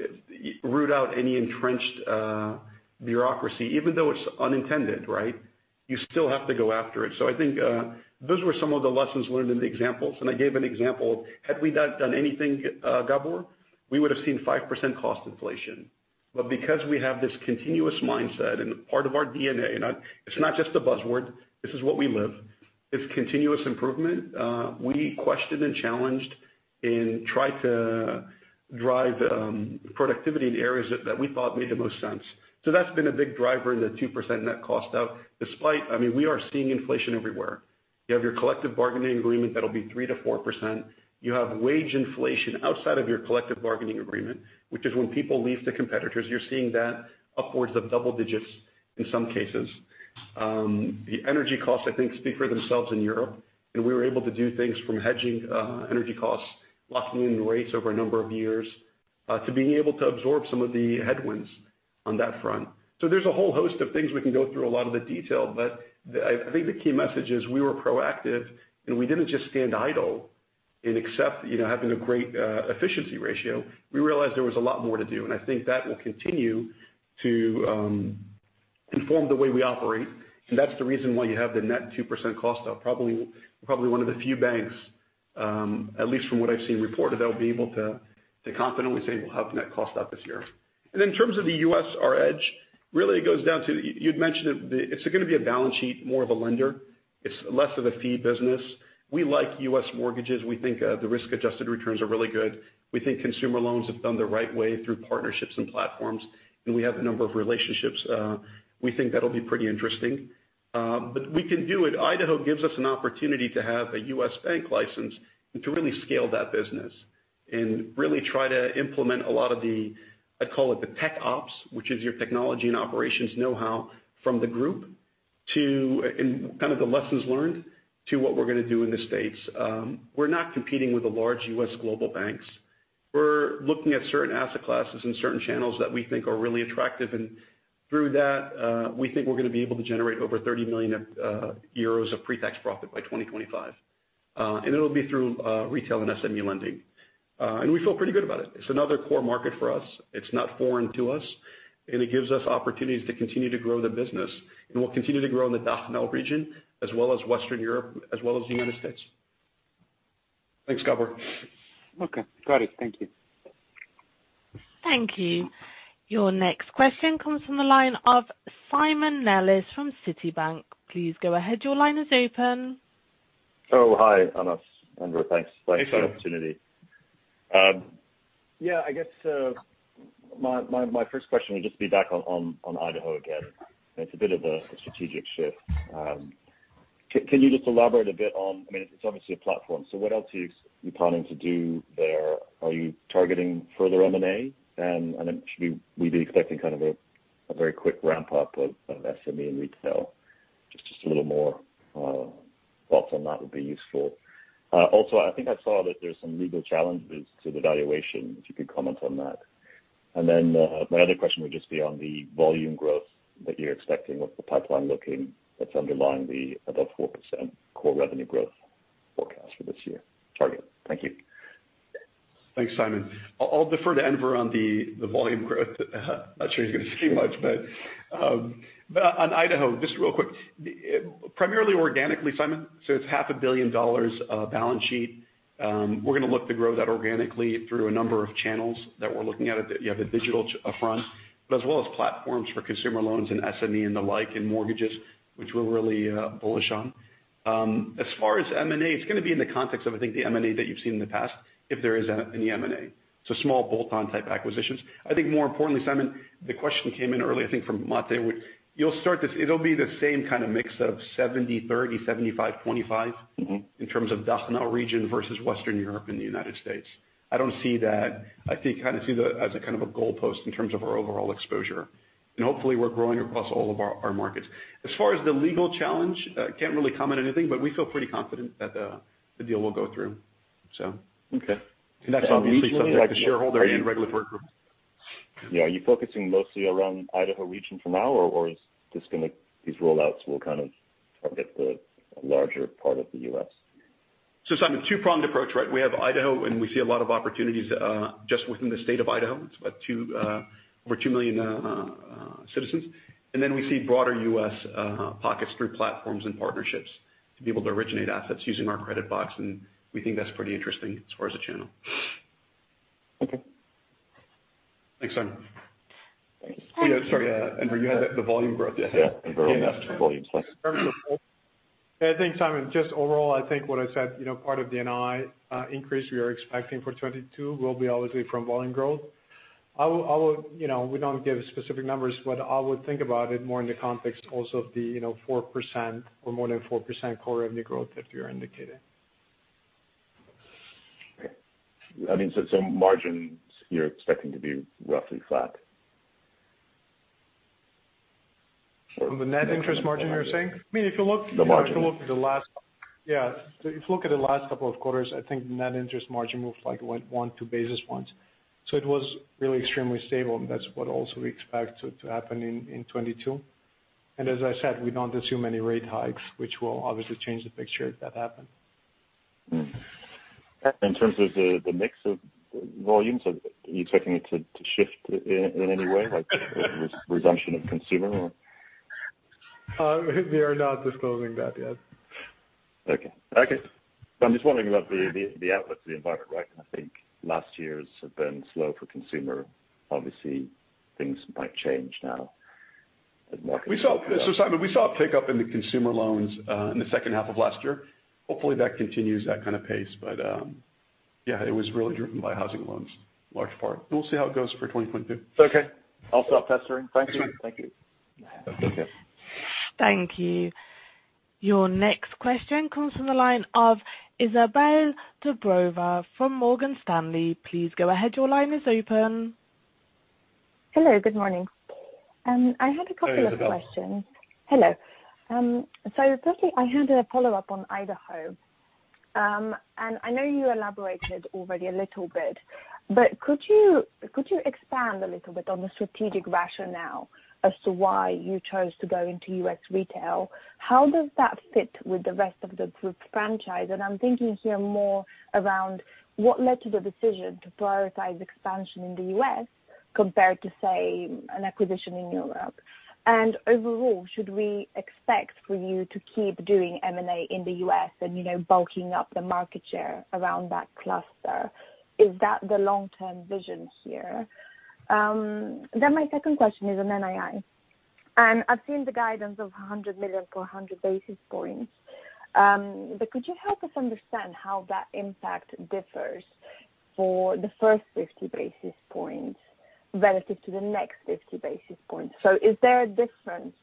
root out any entrenched bureaucracy. Even though it's unintended, right? You still have to go after it. I think those were some of the lessons learned in the examples. I gave an example of had we not done anything, Gabor, we would have seen 5% cost inflation. Because we have this continuous mindset and part of our DNA, it's not just a buzzword, this is what we live, it's continuous improvement. We questioned and challenged and tried to drive productivity in areas that we thought made the most sense. That's been a big driver in the 2% net cost out despite, I mean, we are seeing inflation everywhere. You have your collective bargaining agreement that'll be 3%-4%. You have wage inflation outside of your collective bargaining agreement, which is when people leave to competitors. You're seeing that upwards of double digits. In some cases. The energy costs, I think speak for themselves in Europe, and we were able to do things from hedging energy costs, locking in rates over a number of years, to being able to absorb some of the headwinds on that front. There's a whole host of things we can go through a lot of the detail, but I think the key message is we were proactive, and we didn't just stand idle and accept, you know, having a great efficiency ratio. We realized there was a lot more to do, and I think that will continue to inform the way we operate. That's the reason why you have the net 2% cost of risk, probably one of the few banks, at least from what I've seen reported, that will be able to confidently say we'll have net cost out this year. In terms of the U.S., our edge really goes down to what you'd mentioned, it's gonna be a balance sheet, more of a lender. It's less of a fee business. We like U.S. mortgages. We think the risk-adjusted returns are really good. We think consumer loans done the right way through partnerships and platforms, and we have a number of relationships. We think that'll be pretty interesting, but we can do it. Idaho gives us an opportunity to have a U.S. bank license and to really scale that business and really try to implement a lot of the, I call it the tech ops, which is your technology and operations know-how from the group to, and kind of the lessons learned, to what we're gonna do in the States. We're not competing with the large U.S. global banks. We're looking at certain asset classes and certain channels that we think are really attractive, and through that, we think we're gonna be able to generate over 30 million euros of pre-tax profit by 2025. And it'll be through Retail & SME lending. And we feel pretty good about it. It's another core market for us. It's not foreign to us, and it gives us opportunities to continue to grow the business. We'll continue to grow in the DACH/NL region as well as Western Europe, as well as the United States. Thanks, Gabor. Okay. Got it. Thank you. Thank you. Your next question comes from the line of Simon Nellis from Citibank. Please go ahead. Your line is open. Oh, hi, Anas and Enver. Thanks. Thank you. Thanks for the opportunity. Yeah, I guess my first question would just be back on Idaho again. It's a bit of a strategic shift. Can you just elaborate a bit on I mean, it's obviously a platform. So what else are you planning to do there? Are you targeting further M&A? And should we be expecting kind of a very quick ramp-up of SME & Retail? Just a little more thoughts on that would be useful. Also, I think I saw that there's some legal challenges to the valuation, if you could comment on that. And then my other question would just be on the volume growth that you're expecting. What's the pipeline looking like that's underlying the above 4% core revenue growth forecast for this year target? Thank you. Thanks, Simon. I'll defer to Enver on the volume growth. Not sure he's gonna say much, but on Idaho, just real quick. Primarily organically, Simon, so it's half a billion dollars of balance sheet. We're gonna look to grow that organically through a number of channels that we're looking at, you know, the digital front, but as well as platforms for consumer loans and SME and the like, and mortgages, which we're really bullish on. As far as M&A, it's gonna be in the context of, I think, the M&A that you've seen in the past, if there is any M&A. So small bolt-on type acquisitions. I think more importantly, Simon, the question came in early, I think, from Mate, where you'll start this. It'll be the same kind of. Mix of 70/30, 75/25. Mm-hmm. In terms of DACH/NL region versus Western Europe and the United States. I don't see that. I think kind of see that as a kind of a goalpost in terms of our overall exposure. Hopefully, we're growing across all of our markets. As far as the legal challenge, I can't really comment anything, but we feel pretty confident that the deal will go through, so. Okay. That's obviously something like the shareholder and regulatory approval. Yeah. Are you focusing mostly around Idaho region for now, or these rollouts will kind of target the larger part of the U.S.? Simon, two-pronged approach, right? We have Idaho, and we see a lot of opportunities just within the state of Idaho. It's about two, over 2 million citizens. We see broader U.S. pockets through platforms and partnerships to be able to originate assets using our credit box, and we think that's pretty interesting as far as the channel. Okay. Thanks, Simon. Oh, yeah, sorry, Enver, you had the volume growth. Yeah. Enver, on that volume, please. Yeah. Thanks, Simon. Just overall, I think what I said, you know, part of the NII increase we are expecting for 2022 will be obviously from volume growth. I will, you know, we don't give specific numbers, but I would think about it more in the context also of the, you know, 4% or more than 4% core revenue growth that we are indicating. Okay. I mean, so margins you're expecting to be roughly flat. From the net interest margin, you're saying? I mean, if you look. The margin. If you look at the last couple of quarters, I think net interest margin moved like what, 1 basis point-2 basis points. So it was really extremely stable, and that's what also we expect to happen in 2022. As I said, we don't assume any rate hikes, which will obviously change the picture if that happened. Mm-hmm. In terms of the mix of volume, so are you expecting it to shift in any way, like reduction of consumer or? We are not disclosing that yet. Okay. I'm just wondering about the outlook for the environment, right? I think last year's have been slow for consumer. Obviously, things might change now. Simon, we saw a pickup in the consumer loans in the second half of last year. Hopefully, that continues that kind of pace. Yeah, it was really driven by housing loans large part. We'll see how it goes for 2022. Okay. I'll stop pestering. Thank you. Thanks, man. Thank you. Okay. Thank you. Your next question comes from the line of Izabel Dobreva from Morgan Stanley. Please go ahead. Your line is open. Hello, good morning. I had a couple of questions. Hey, Izabel. Hello. Firstly, I had a follow-up on Idaho. I know you elaborated already a little bit, but could you expand a little bit on the strategic rationale as to why you chose to go into U.S. Retail? How does that fit with the rest of the group franchise? I'm thinking here more around what led to the decision to prioritize expansion in the U.S. compared to, say, an acquisition in Europe. Overall, should we expect for you to keep doing M&A in the U.S. and, you know, bulking up the market share around that cluster? Is that the long-term vision here? My second question is on NII. I've seen the guidance of 100 million per 100 basis points. Could you help us understand how that impact differs for the first 50 basis points relative to the next 50 basis points? Is there a difference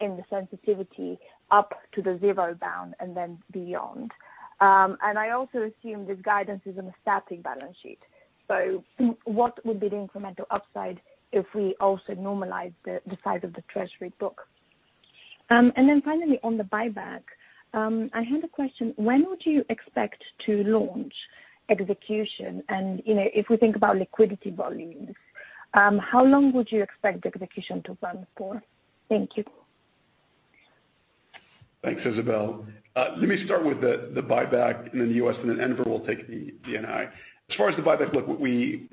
in the sensitivity up to the zero bound and then beyond? I also assume this guidance is on a static balance sheet. What would be the incremental upside if we also normalize the size of the Treasury book? Finally on the buyback, I had a question. When would you expect to launch execution? You know, if we think about liquidity volumes, how long would you expect the execution to run for? Thank you. Thanks, Izabel. Let me start with the buyback in the U.S., and then Enver will take the NII. As far as the buyback, look, we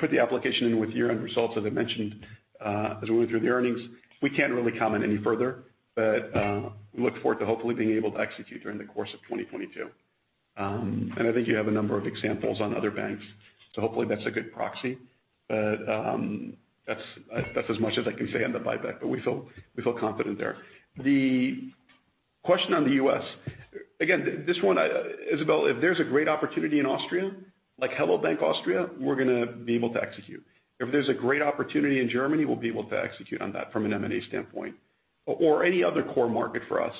put the application in with year-end results, as I mentioned, as we went through the earnings. We can't really comment any further. We look forward to hopefully being able to execute during the course of 2022. I think you have a number of examples on other banks, so hopefully that's a good proxy. That's as much as I can say on the buyback, but we feel confident there. The question on the U.S., again, this one, Izabel, if there's a great opportunity in Austria, like Hello bank! Austria, we're gonna be able to execute. If there's a great opportunity in Germany, we'll be able to execute on that from an M&A standpoint, or any other core market for us.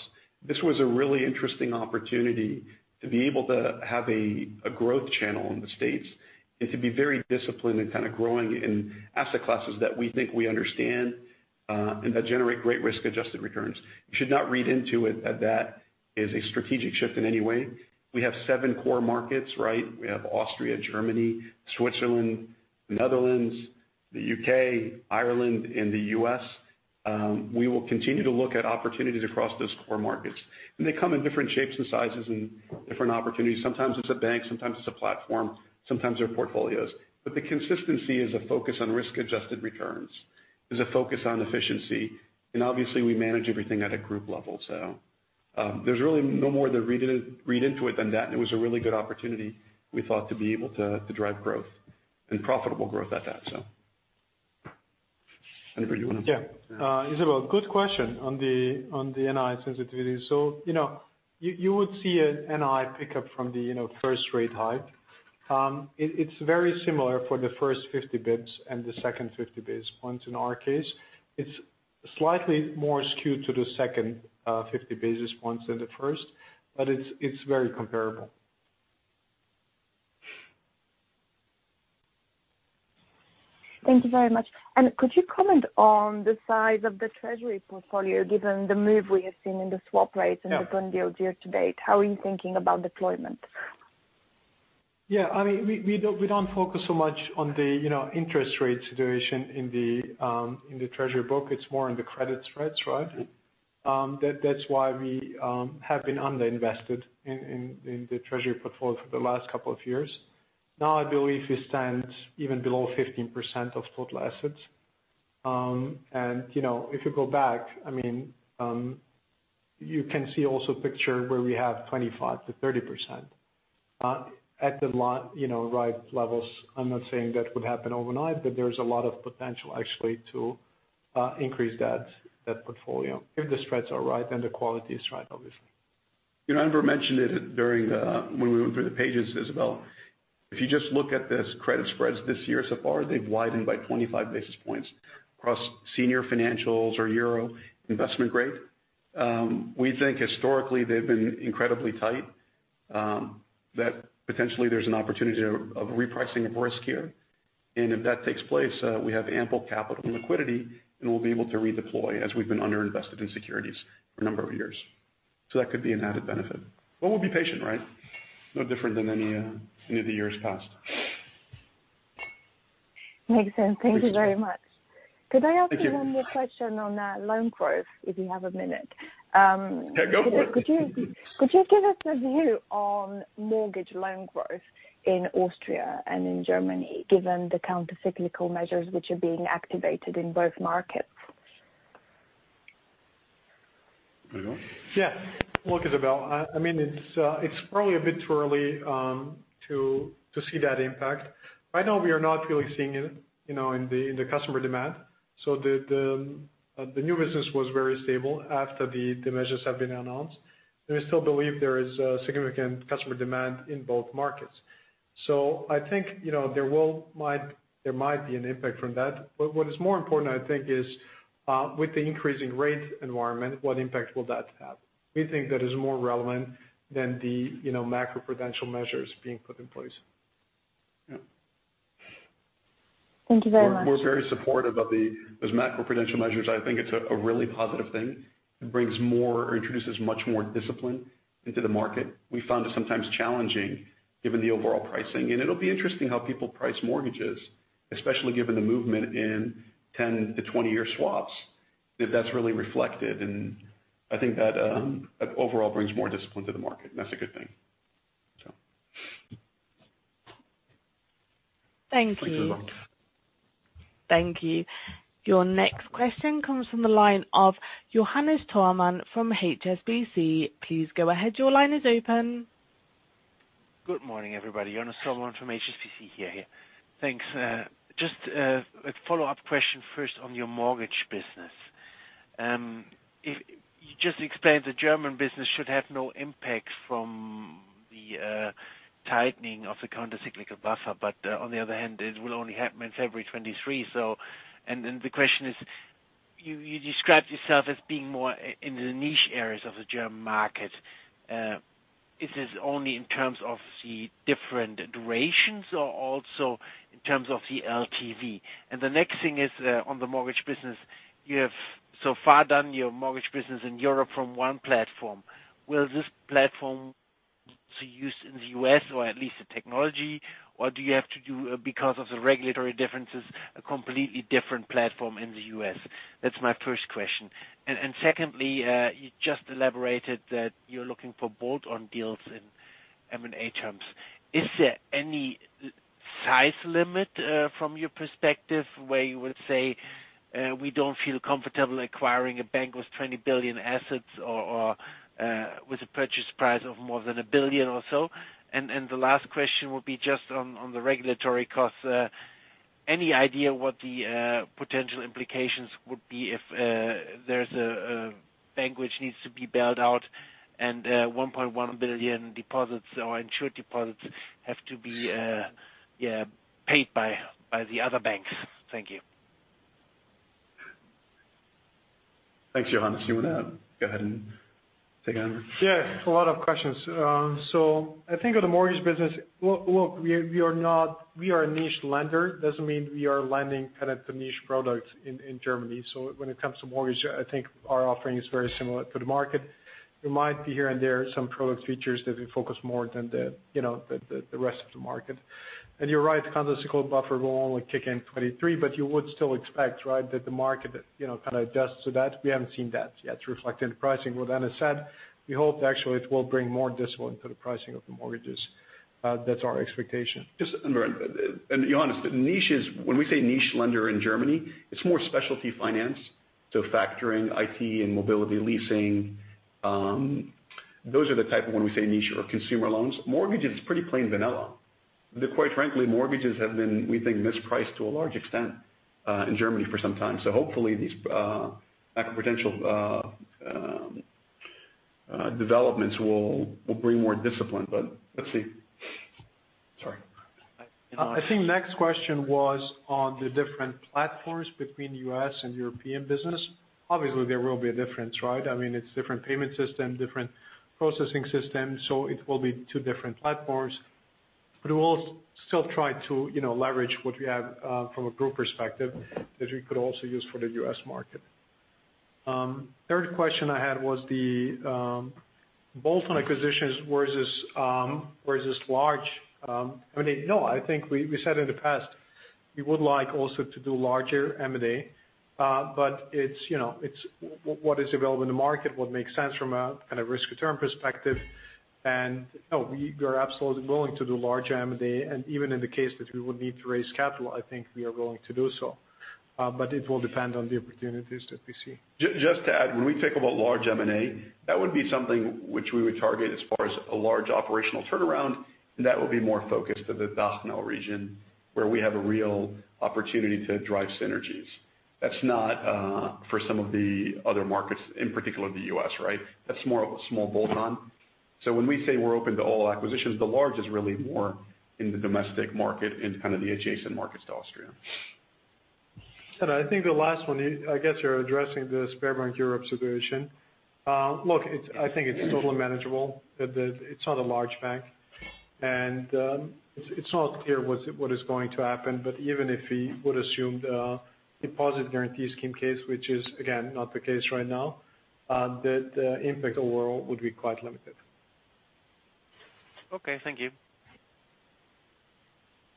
This was a really interesting opportunity to be able to have a growth channel in the States and to be very disciplined and kind of growing in asset classes that we think we understand, and that generate great risk-adjusted returns. You should not read into it that is a strategic shift in any way. We have seven core markets, right? We have Austria, Germany, Switzerland, Netherlands, the U.K., Ireland, and the U.S. We will continue to look at opportunities across those core markets. They come in different shapes and sizes and different opportunities. Sometimes it's a bank, sometimes it's a platform, sometimes they're portfolios. The consistency is a focus on risk-adjusted returns. There's a focus on efficiency, and obviously we manage everything at a group level. There's really no more to read into it than that, and it was a really good opportunity we thought to be able to drive growth, and profitable growth at that. Enver, do you wanna- Yeah. Izabel, good question on the NII sensitivity. You know, you would see an NII pickup from the, you know, first rate hike. It's very similar for the first 50 basis points and the second 50 basis points in our case. It's slightly more skewed to the second 50 basis points than the first, but it's very comparable. Thank you very much. Could you comment on the size of the Treasury portfolio, given the move we have seen in the swap rates? Yeah. The bond yields year to date? How are you thinking about deployment? Yeah. I mean, we don't focus so much on the, you know, interest rate situation in the Treasury book. It's more on the credit spreads, right? That's why we have been underinvested in the Treasury portfolio for the last couple of years. Now, I believe we stand even below 15% of total assets. You know, if you go back, I mean, you can see also picture where we have 25%-30% at the right levels. I'm not saying that would happen overnight, but there's a lot of potential actually to increase that portfolio, if the spreads are right and the quality is right, obviously. You know, Enver mentioned it during when we went through the pages, Izabel. If you just look at this credit spreads this year so far, they've widened by 25 basis points across senior financials or euro investment grade. We think historically they've been incredibly tight, that potentially there's an opportunity of repricing of risk here. If that takes place, we have ample capital and liquidity, and we'll be able to redeploy as we've been underinvested in securities for a number of years. That could be an added benefit. We'll be patient, right? No different than any of the years past. Makes sense. Thank you very much. Thank you. Could I ask one more question on loan growth, if you have a minute? Yeah, go for it. Could you give us a view on mortgage loan growth in Austria and in Germany, given the countercyclical measures which are being activated in both markets? Enver? Look, Izabel, I mean, it's probably a bit too early to see that impact. Right now we are not really seeing it, you know, in the customer demand. The new business was very stable after the measures have been announced. We still believe there is significant customer demand in both markets. I think, you know, there might be an impact from that. What is more important, I think, is with the increasing rate environment, what impact will that have? We think that is more relevant than the, you know, macro-prudential measures being put in place. Yeah. Thank you very much. We're very supportive of those macro-prudential measures. I think it's a really positive thing. It brings more or introduces much more discipline into the market. We found it sometimes challenging given the overall pricing. It'll be interesting how people price mortgages, especially given the movement in 10- to 20-year swaps, if that's really reflected in. I think that overall brings more discipline to the market, and that's a good thing. Thank you. Thanks very much. Thank you. Your next question comes from the line of Johannes Thormann from HSBC. Please go ahead. Your line is open. Good morning, everybody. Johannes Thormann from HSBC here. Thanks. A follow-up question first on your mortgage business. You just explained the German business should have no impact from the tightening of the countercyclical buffer. On the other hand, it will only happen in February 2023. The question is, you described yourself as being more in the niche areas of the German market. Is this only in terms of the different durations or also in terms of the LTV? The next thing is, on the mortgage business, you have so far done your mortgage business in Europe from one platform. Will this platform be used in the U.S. or at least the technology, or do you have to do, because of the regulatory differences, a completely different platform in the U.S.? That's my first question. Secondly, you just elaborated that you're looking for bolt-on deals in M&A terms. Is there any size limit from your perspective where you would say we don't feel comfortable acquiring a bank with 20 billion assets or with a purchase price of more than 1 billion or so? The last question would be just on the regulatory costs. Any idea what the potential implications would be if there's a bank which needs to be bailed out and 1.1 billion deposits or insured deposits have to be paid by the other banks? Thank you. Thanks, Johannes. You wanna go ahead and take on? Yeah, a lot of questions. So I think on the mortgage business, we are a niche lender. Doesn't mean we are lending kind of the niche products in Germany. So when it comes to mortgage, I think our offering is very similar to the market. There might be here and there some product features that we focus more than you know the rest of the market. You're right, the countercyclical buffer will only kick in 2023, but you would still expect, right, that the market you know kind of adjusts to that. We haven't seen that yet reflect in the pricing. With that being said, we hope actually it will bring more discipline to the pricing of the mortgages. That's our expectation. Johannes, the niche is when we say niche lender in Germany, it's more specialty finance, so factoring, IT and mobility leasing. Those are the type of when we say niche or consumer loans. Mortgage is pretty plain vanilla. Quite frankly, mortgages have been, we think, mispriced to a large extent in Germany for some time. Hopefully these macro-prudential developments will bring more discipline. Let's see. Sorry. I think next question was on the different platforms between U.S. and European business. Obviously, there will be a difference, right? I mean, it's different payment system, different processing system, so it will be two different platforms. We will still try to, you know, leverage what we have from a group perspective that we could also use for the U.S. market. Third question I had was the bolt-on acquisitions. I mean, no, I think we said in the past, we would like also to do larger M&A, but it's, you know, it's what is available in the market, what makes sense from a kind of risk return perspective. No, we are absolutely willing to do large M&A, and even in the case that we would need to raise capital, I think we are willing to do so. But it will depend on the opportunities that we see. Just to add, when we think about large M&A, that would be something which we would target as far as a large operational turnaround, and that would be more focused to the DACH/NL region, where we have a real opportunity to drive synergies. That's not for some of the other markets, in particular the U.S., right? That's more small bolt-on. When we say we're open to all acquisitions, the large is really more in the domestic market, in kind of the adjacent markets to Austria. I think the last one, you, I guess you're addressing the Sberbank Europe situation. Look, I think it's totally manageable. It's not a large bank. It's not clear what is going to happen. Even if we would assume the deposit guarantee scheme case, which is again not the case right now, the impact overall would be quite limited. Okay. Thank you.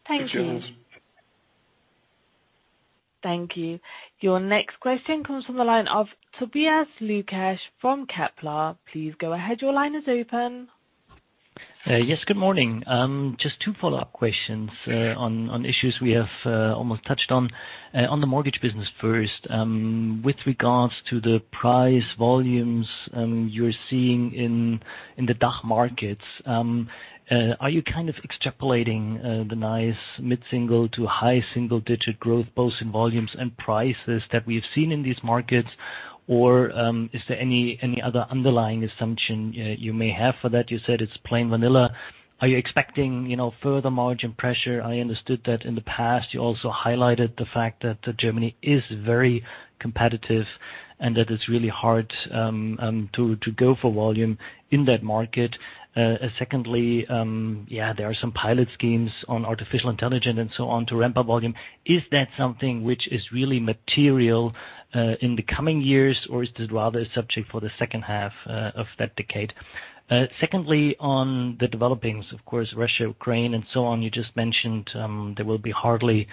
Thank you. Thanks, Johannes. Thank you. Your next question comes from the line of Tobias Lukesch from Kepler. Please go ahead. Your line is open. Yes, good morning. Just two follow-up questions on issues we have almost touched on. On the mortgage business first, with regards to the price volumes you're seeing in the DACH/NL markets, are you kind of extrapolating the nice mid-single to high-single digit growth, both in volumes and prices that we've seen in these markets. Or, is there any other underlying assumption you may have for that? You said it's plain vanilla. Are you expecting, you know, further margin pressure? I understood that in the past you also highlighted the fact that Germany is very competitive and that it's really hard to go for volume in that market. Secondly, yeah, there are some pilot schemes on artificial intelligence and so on to ramp up volume. Is that something which is really material in the coming years or is this rather a subject for the second half of that decade? Secondly, on the developments, of course, Russia, Ukraine and so on, you just mentioned there will be hardly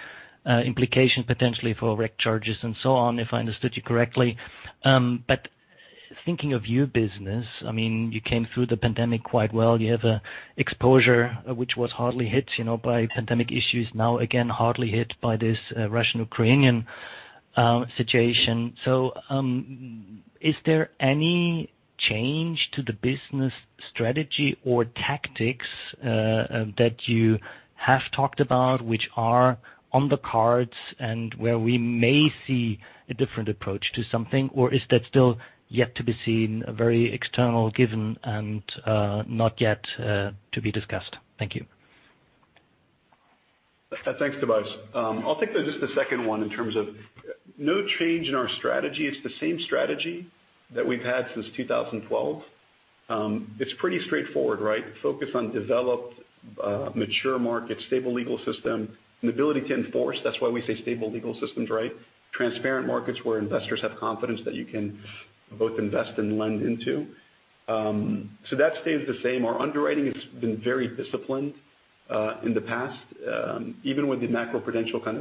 implication potentially for reg charges and so on, if I understood you correctly. But thinking of your business, I mean, you came through the pandemic quite well. You have an exposure which was hardly hit, you know, by pandemic issues. Now again, hardly hit by this Russian-Ukrainian situation. Is there any change to the business strategy or tactics that you have talked about which are on the cards and where we may see a different approach to something? Is that still yet to be seen, a very external given and not yet to be discussed? Thank you. Thanks, Tobias. I'll take just the second one in terms of no change in our strategy. It's the same strategy that we've had since 2012. It's pretty straightforward, right? Focus on developed, mature markets, stable legal system and ability to enforce. That's why we say stable legal systems, right? Transparent markets where investors have confidence that you can both invest and lend into. That stays the same. Our underwriting has been very disciplined in the past. Even with the macroprudential kind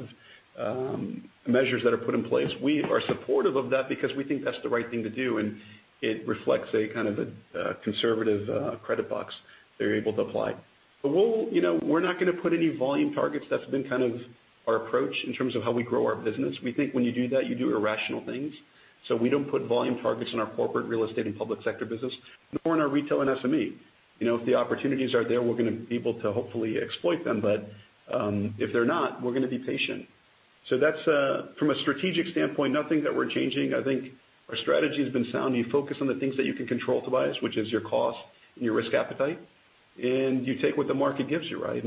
of measures that are put in place. We are supportive of that because we think that's the right thing to do, and it reflects a kind of a conservative credit box they're able to apply. We'll, you know, we're not gonna put any volume targets. That's been kind of our approach in terms of how we grow our business. We think when you do that, you do irrational things. We don't put volume targets in our corporate real estate and public sector business, nor in our Retail & SME. You know, if the opportunities are there, we're gonna be able to hopefully exploit them. If they're not, we're gonna be patient. That's from a strategic standpoint, nothing that we're changing. I think our strategy has been sound. You focus on the things that you can control, Tobias, which is your cost and your risk appetite, and you take what the market gives you, right?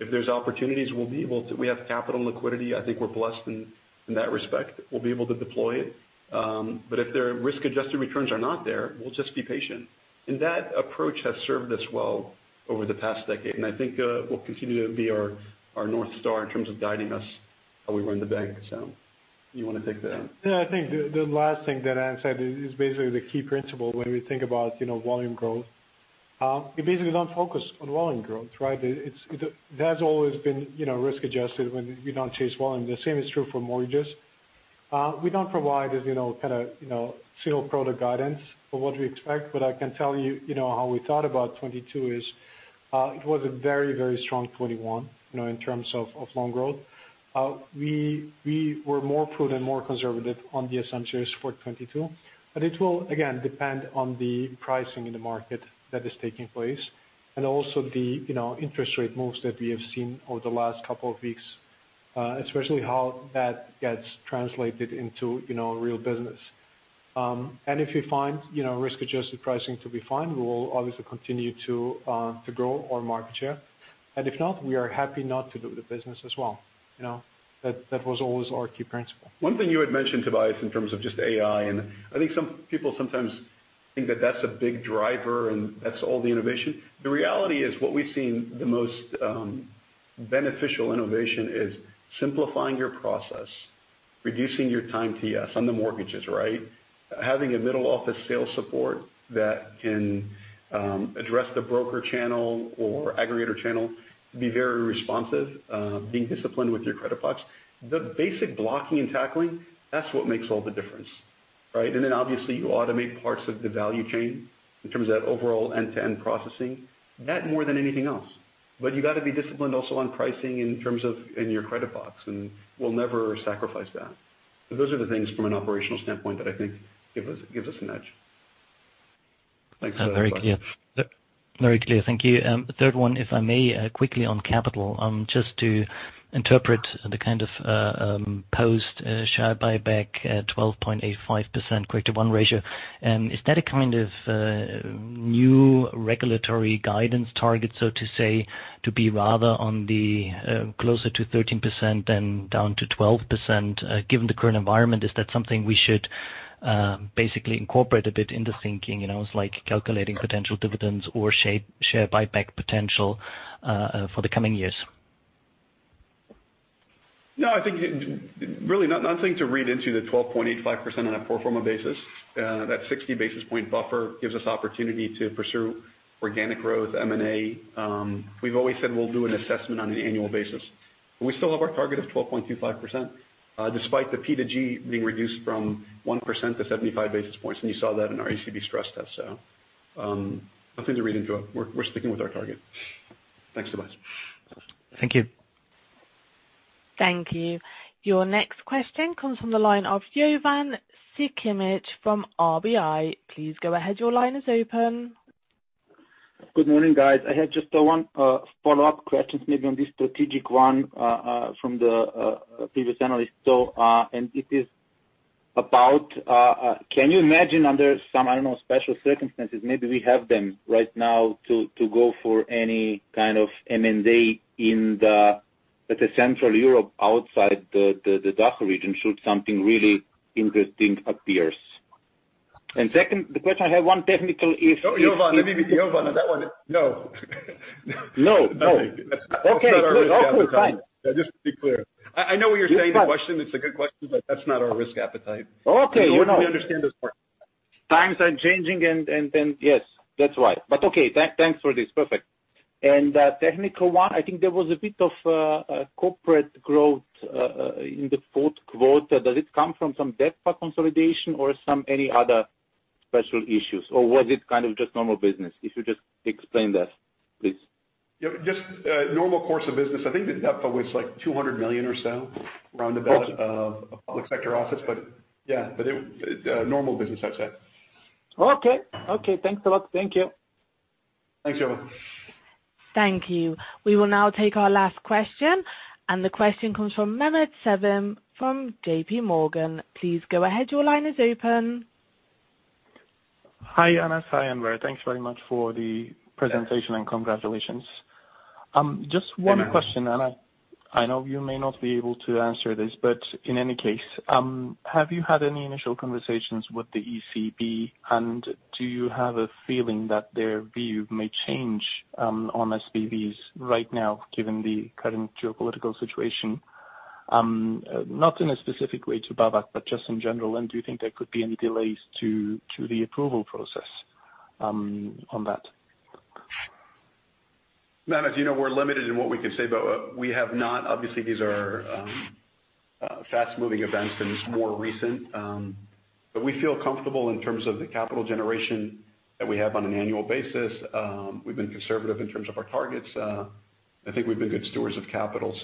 If there's opportunities, we'll be able to. We have capital and liquidity. I think we're blessed in that respect. We'll be able to deploy it. If their risk-adjusted returns are not there, we'll just be patient. That approach has served us well over the past decade, and I think, will continue to be our North Star in terms of guiding us how we run the bank. You wanna take that? Yeah, I think the last thing that Anas said is basically the key principle when we think about, you know, volume growth. We basically don't focus on volume growth, right? That's always been, you know, risk adjusted when you don't chase volume. The same is true for mortgages. We don't provide, as you know, kind of, you know, single product guidance for what we expect. But I can tell you know, how we thought about 2022 is, it was a very, very strong 2021, you know, in terms of loan growth. We were more prudent and more conservative on the assumptions for 2022. It will again depend on the pricing in the market that is taking place and also the, you know, interest rate moves that we have seen over the last couple of weeks, especially how that gets translated into, you know, real business. If we find, you know, risk-adjusted pricing to be fine, we will obviously continue to grow our market share. If not, we are happy not to do the business as well. You know, that was always our key principle. One thing you had mentioned, Tobias, in terms of just AI, and I think some people sometimes think that that's a big driver and that's all the innovation. The reality is what we've seen the most beneficial innovation is simplifying your process, reducing your time to, yes, on the mortgages, right? Having a middle office sales support that can address the broker channel or aggregator channel be very responsive, being disciplined with your credit box. The basic blocking and tackling, that's what makes all the difference, right? Then obviously you automate parts of the value chain in terms of that overall end-to-end processing. That more than anything else. You got to be disciplined also on pricing in terms of in your credit box, and we'll never sacrifice that. Those are the things from an operational standpoint that I think gives us an edge. Thanks. Very clear. Thank you. Third one, if I may, quickly on capital, just to interpret the kind of post share buyback at 12.85% quarter one ratio. Is that a kind of new regulatory guidance target, so to say, to be rather closer to 13% than down to 12%? Given the current environment, is that something we should basically incorporate a bit into thinking, you know, it's like calculating potential dividends or further share buyback potential for the coming years? No, I think really nothing to read into the 12.85% on a pro forma basis. That 60 basis point buffer gives us opportunity to pursue organic growth M&A. We've always said we'll do an assessment on an annual basis. We still have our target of 12.25%, despite the P2G being reduced from 1% to 75 basis points. You saw that in our ECB stress test. Nothing to read into it. We're sticking with our target. Thanks, Tobias. Thank you. Thank you. Your next question comes from the line of Jovan Sikimic from RBI. Please go ahead. Your line is open. Good morning, guys. I had just one follow-up question maybe on the strategic one from the previous analyst. It is about can you imagine under some, I don't know, special circumstances, maybe we have them right now to go for any kind of M&A in Central Europe, outside the DACH region, should something really interesting appears. Second, the question I have one technical is- No, Jovan. Jovan, on that one, no. No, no. Nothing. Okay, good. All good. Fine. Just to be clear. I know what you're saying, the question, it's a good question, but that's not our risk appetite. Okay. You know, we understand this part. Times are changing and yes, that's right. Okay, thanks for this. Perfect. Technical one, I think there was a bit of corporate growth in the fourth quarter. Does it come from some DEPFA consolidation or any other special issues, or was it kind of just normal business? If you just explain that, please. Yep, just normal course of business. I think the DEPFA was like 200 million or so round about. Okay. Out of public sector office. Yeah, but it's normal business, I'd say. Okay. Okay. Thanks a lot. Thank you. Thanks, Jovan. Thank you. We will now take our last question, and the question comes from Mehmet Sevim from JPMorgan. Please go ahead. Your line is open. Hi, Anas. Hi, Enver. Thanks very much for the presentation and congratulations. Just one question. Thanks. I know you may not be able to answer this, but in any case, have you had any initial conversations with the ECB, and do you have a feeling that their view may change on SBBs right now, given the current geopolitical situation? Not in a specific way to BAWAG, but just in general, and do you think there could be any delays to the approval process on that? Mehmet, you know, we're limited in what we can say, but we have not. Obviously, these are fast-moving events and more recent. We feel comfortable in terms of the capital generation that we have on an annual basis. We've been conservative in terms of our targets. I think we've been good stewards of capital.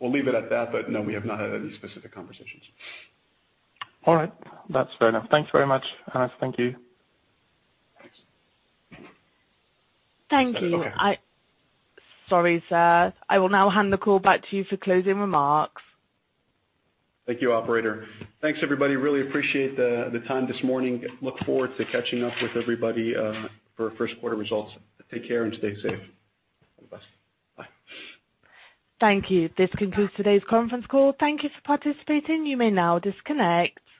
We'll leave it at that, but no, we have not had any specific conversations. All right. That's fair enough. Thank you very much, Anas. Thank you. Thanks. Thank you. Okay. Sorry, sir. I will now hand the call back to you for closing remarks. Thank you, Operator. Thanks, everybody. Really appreciate the time this morning. Look forward to catching up with everybody for first quarter results. Take care and stay safe. Bye. Thank you. This concludes today's conference call. Thank you for participating. You may now disconnect.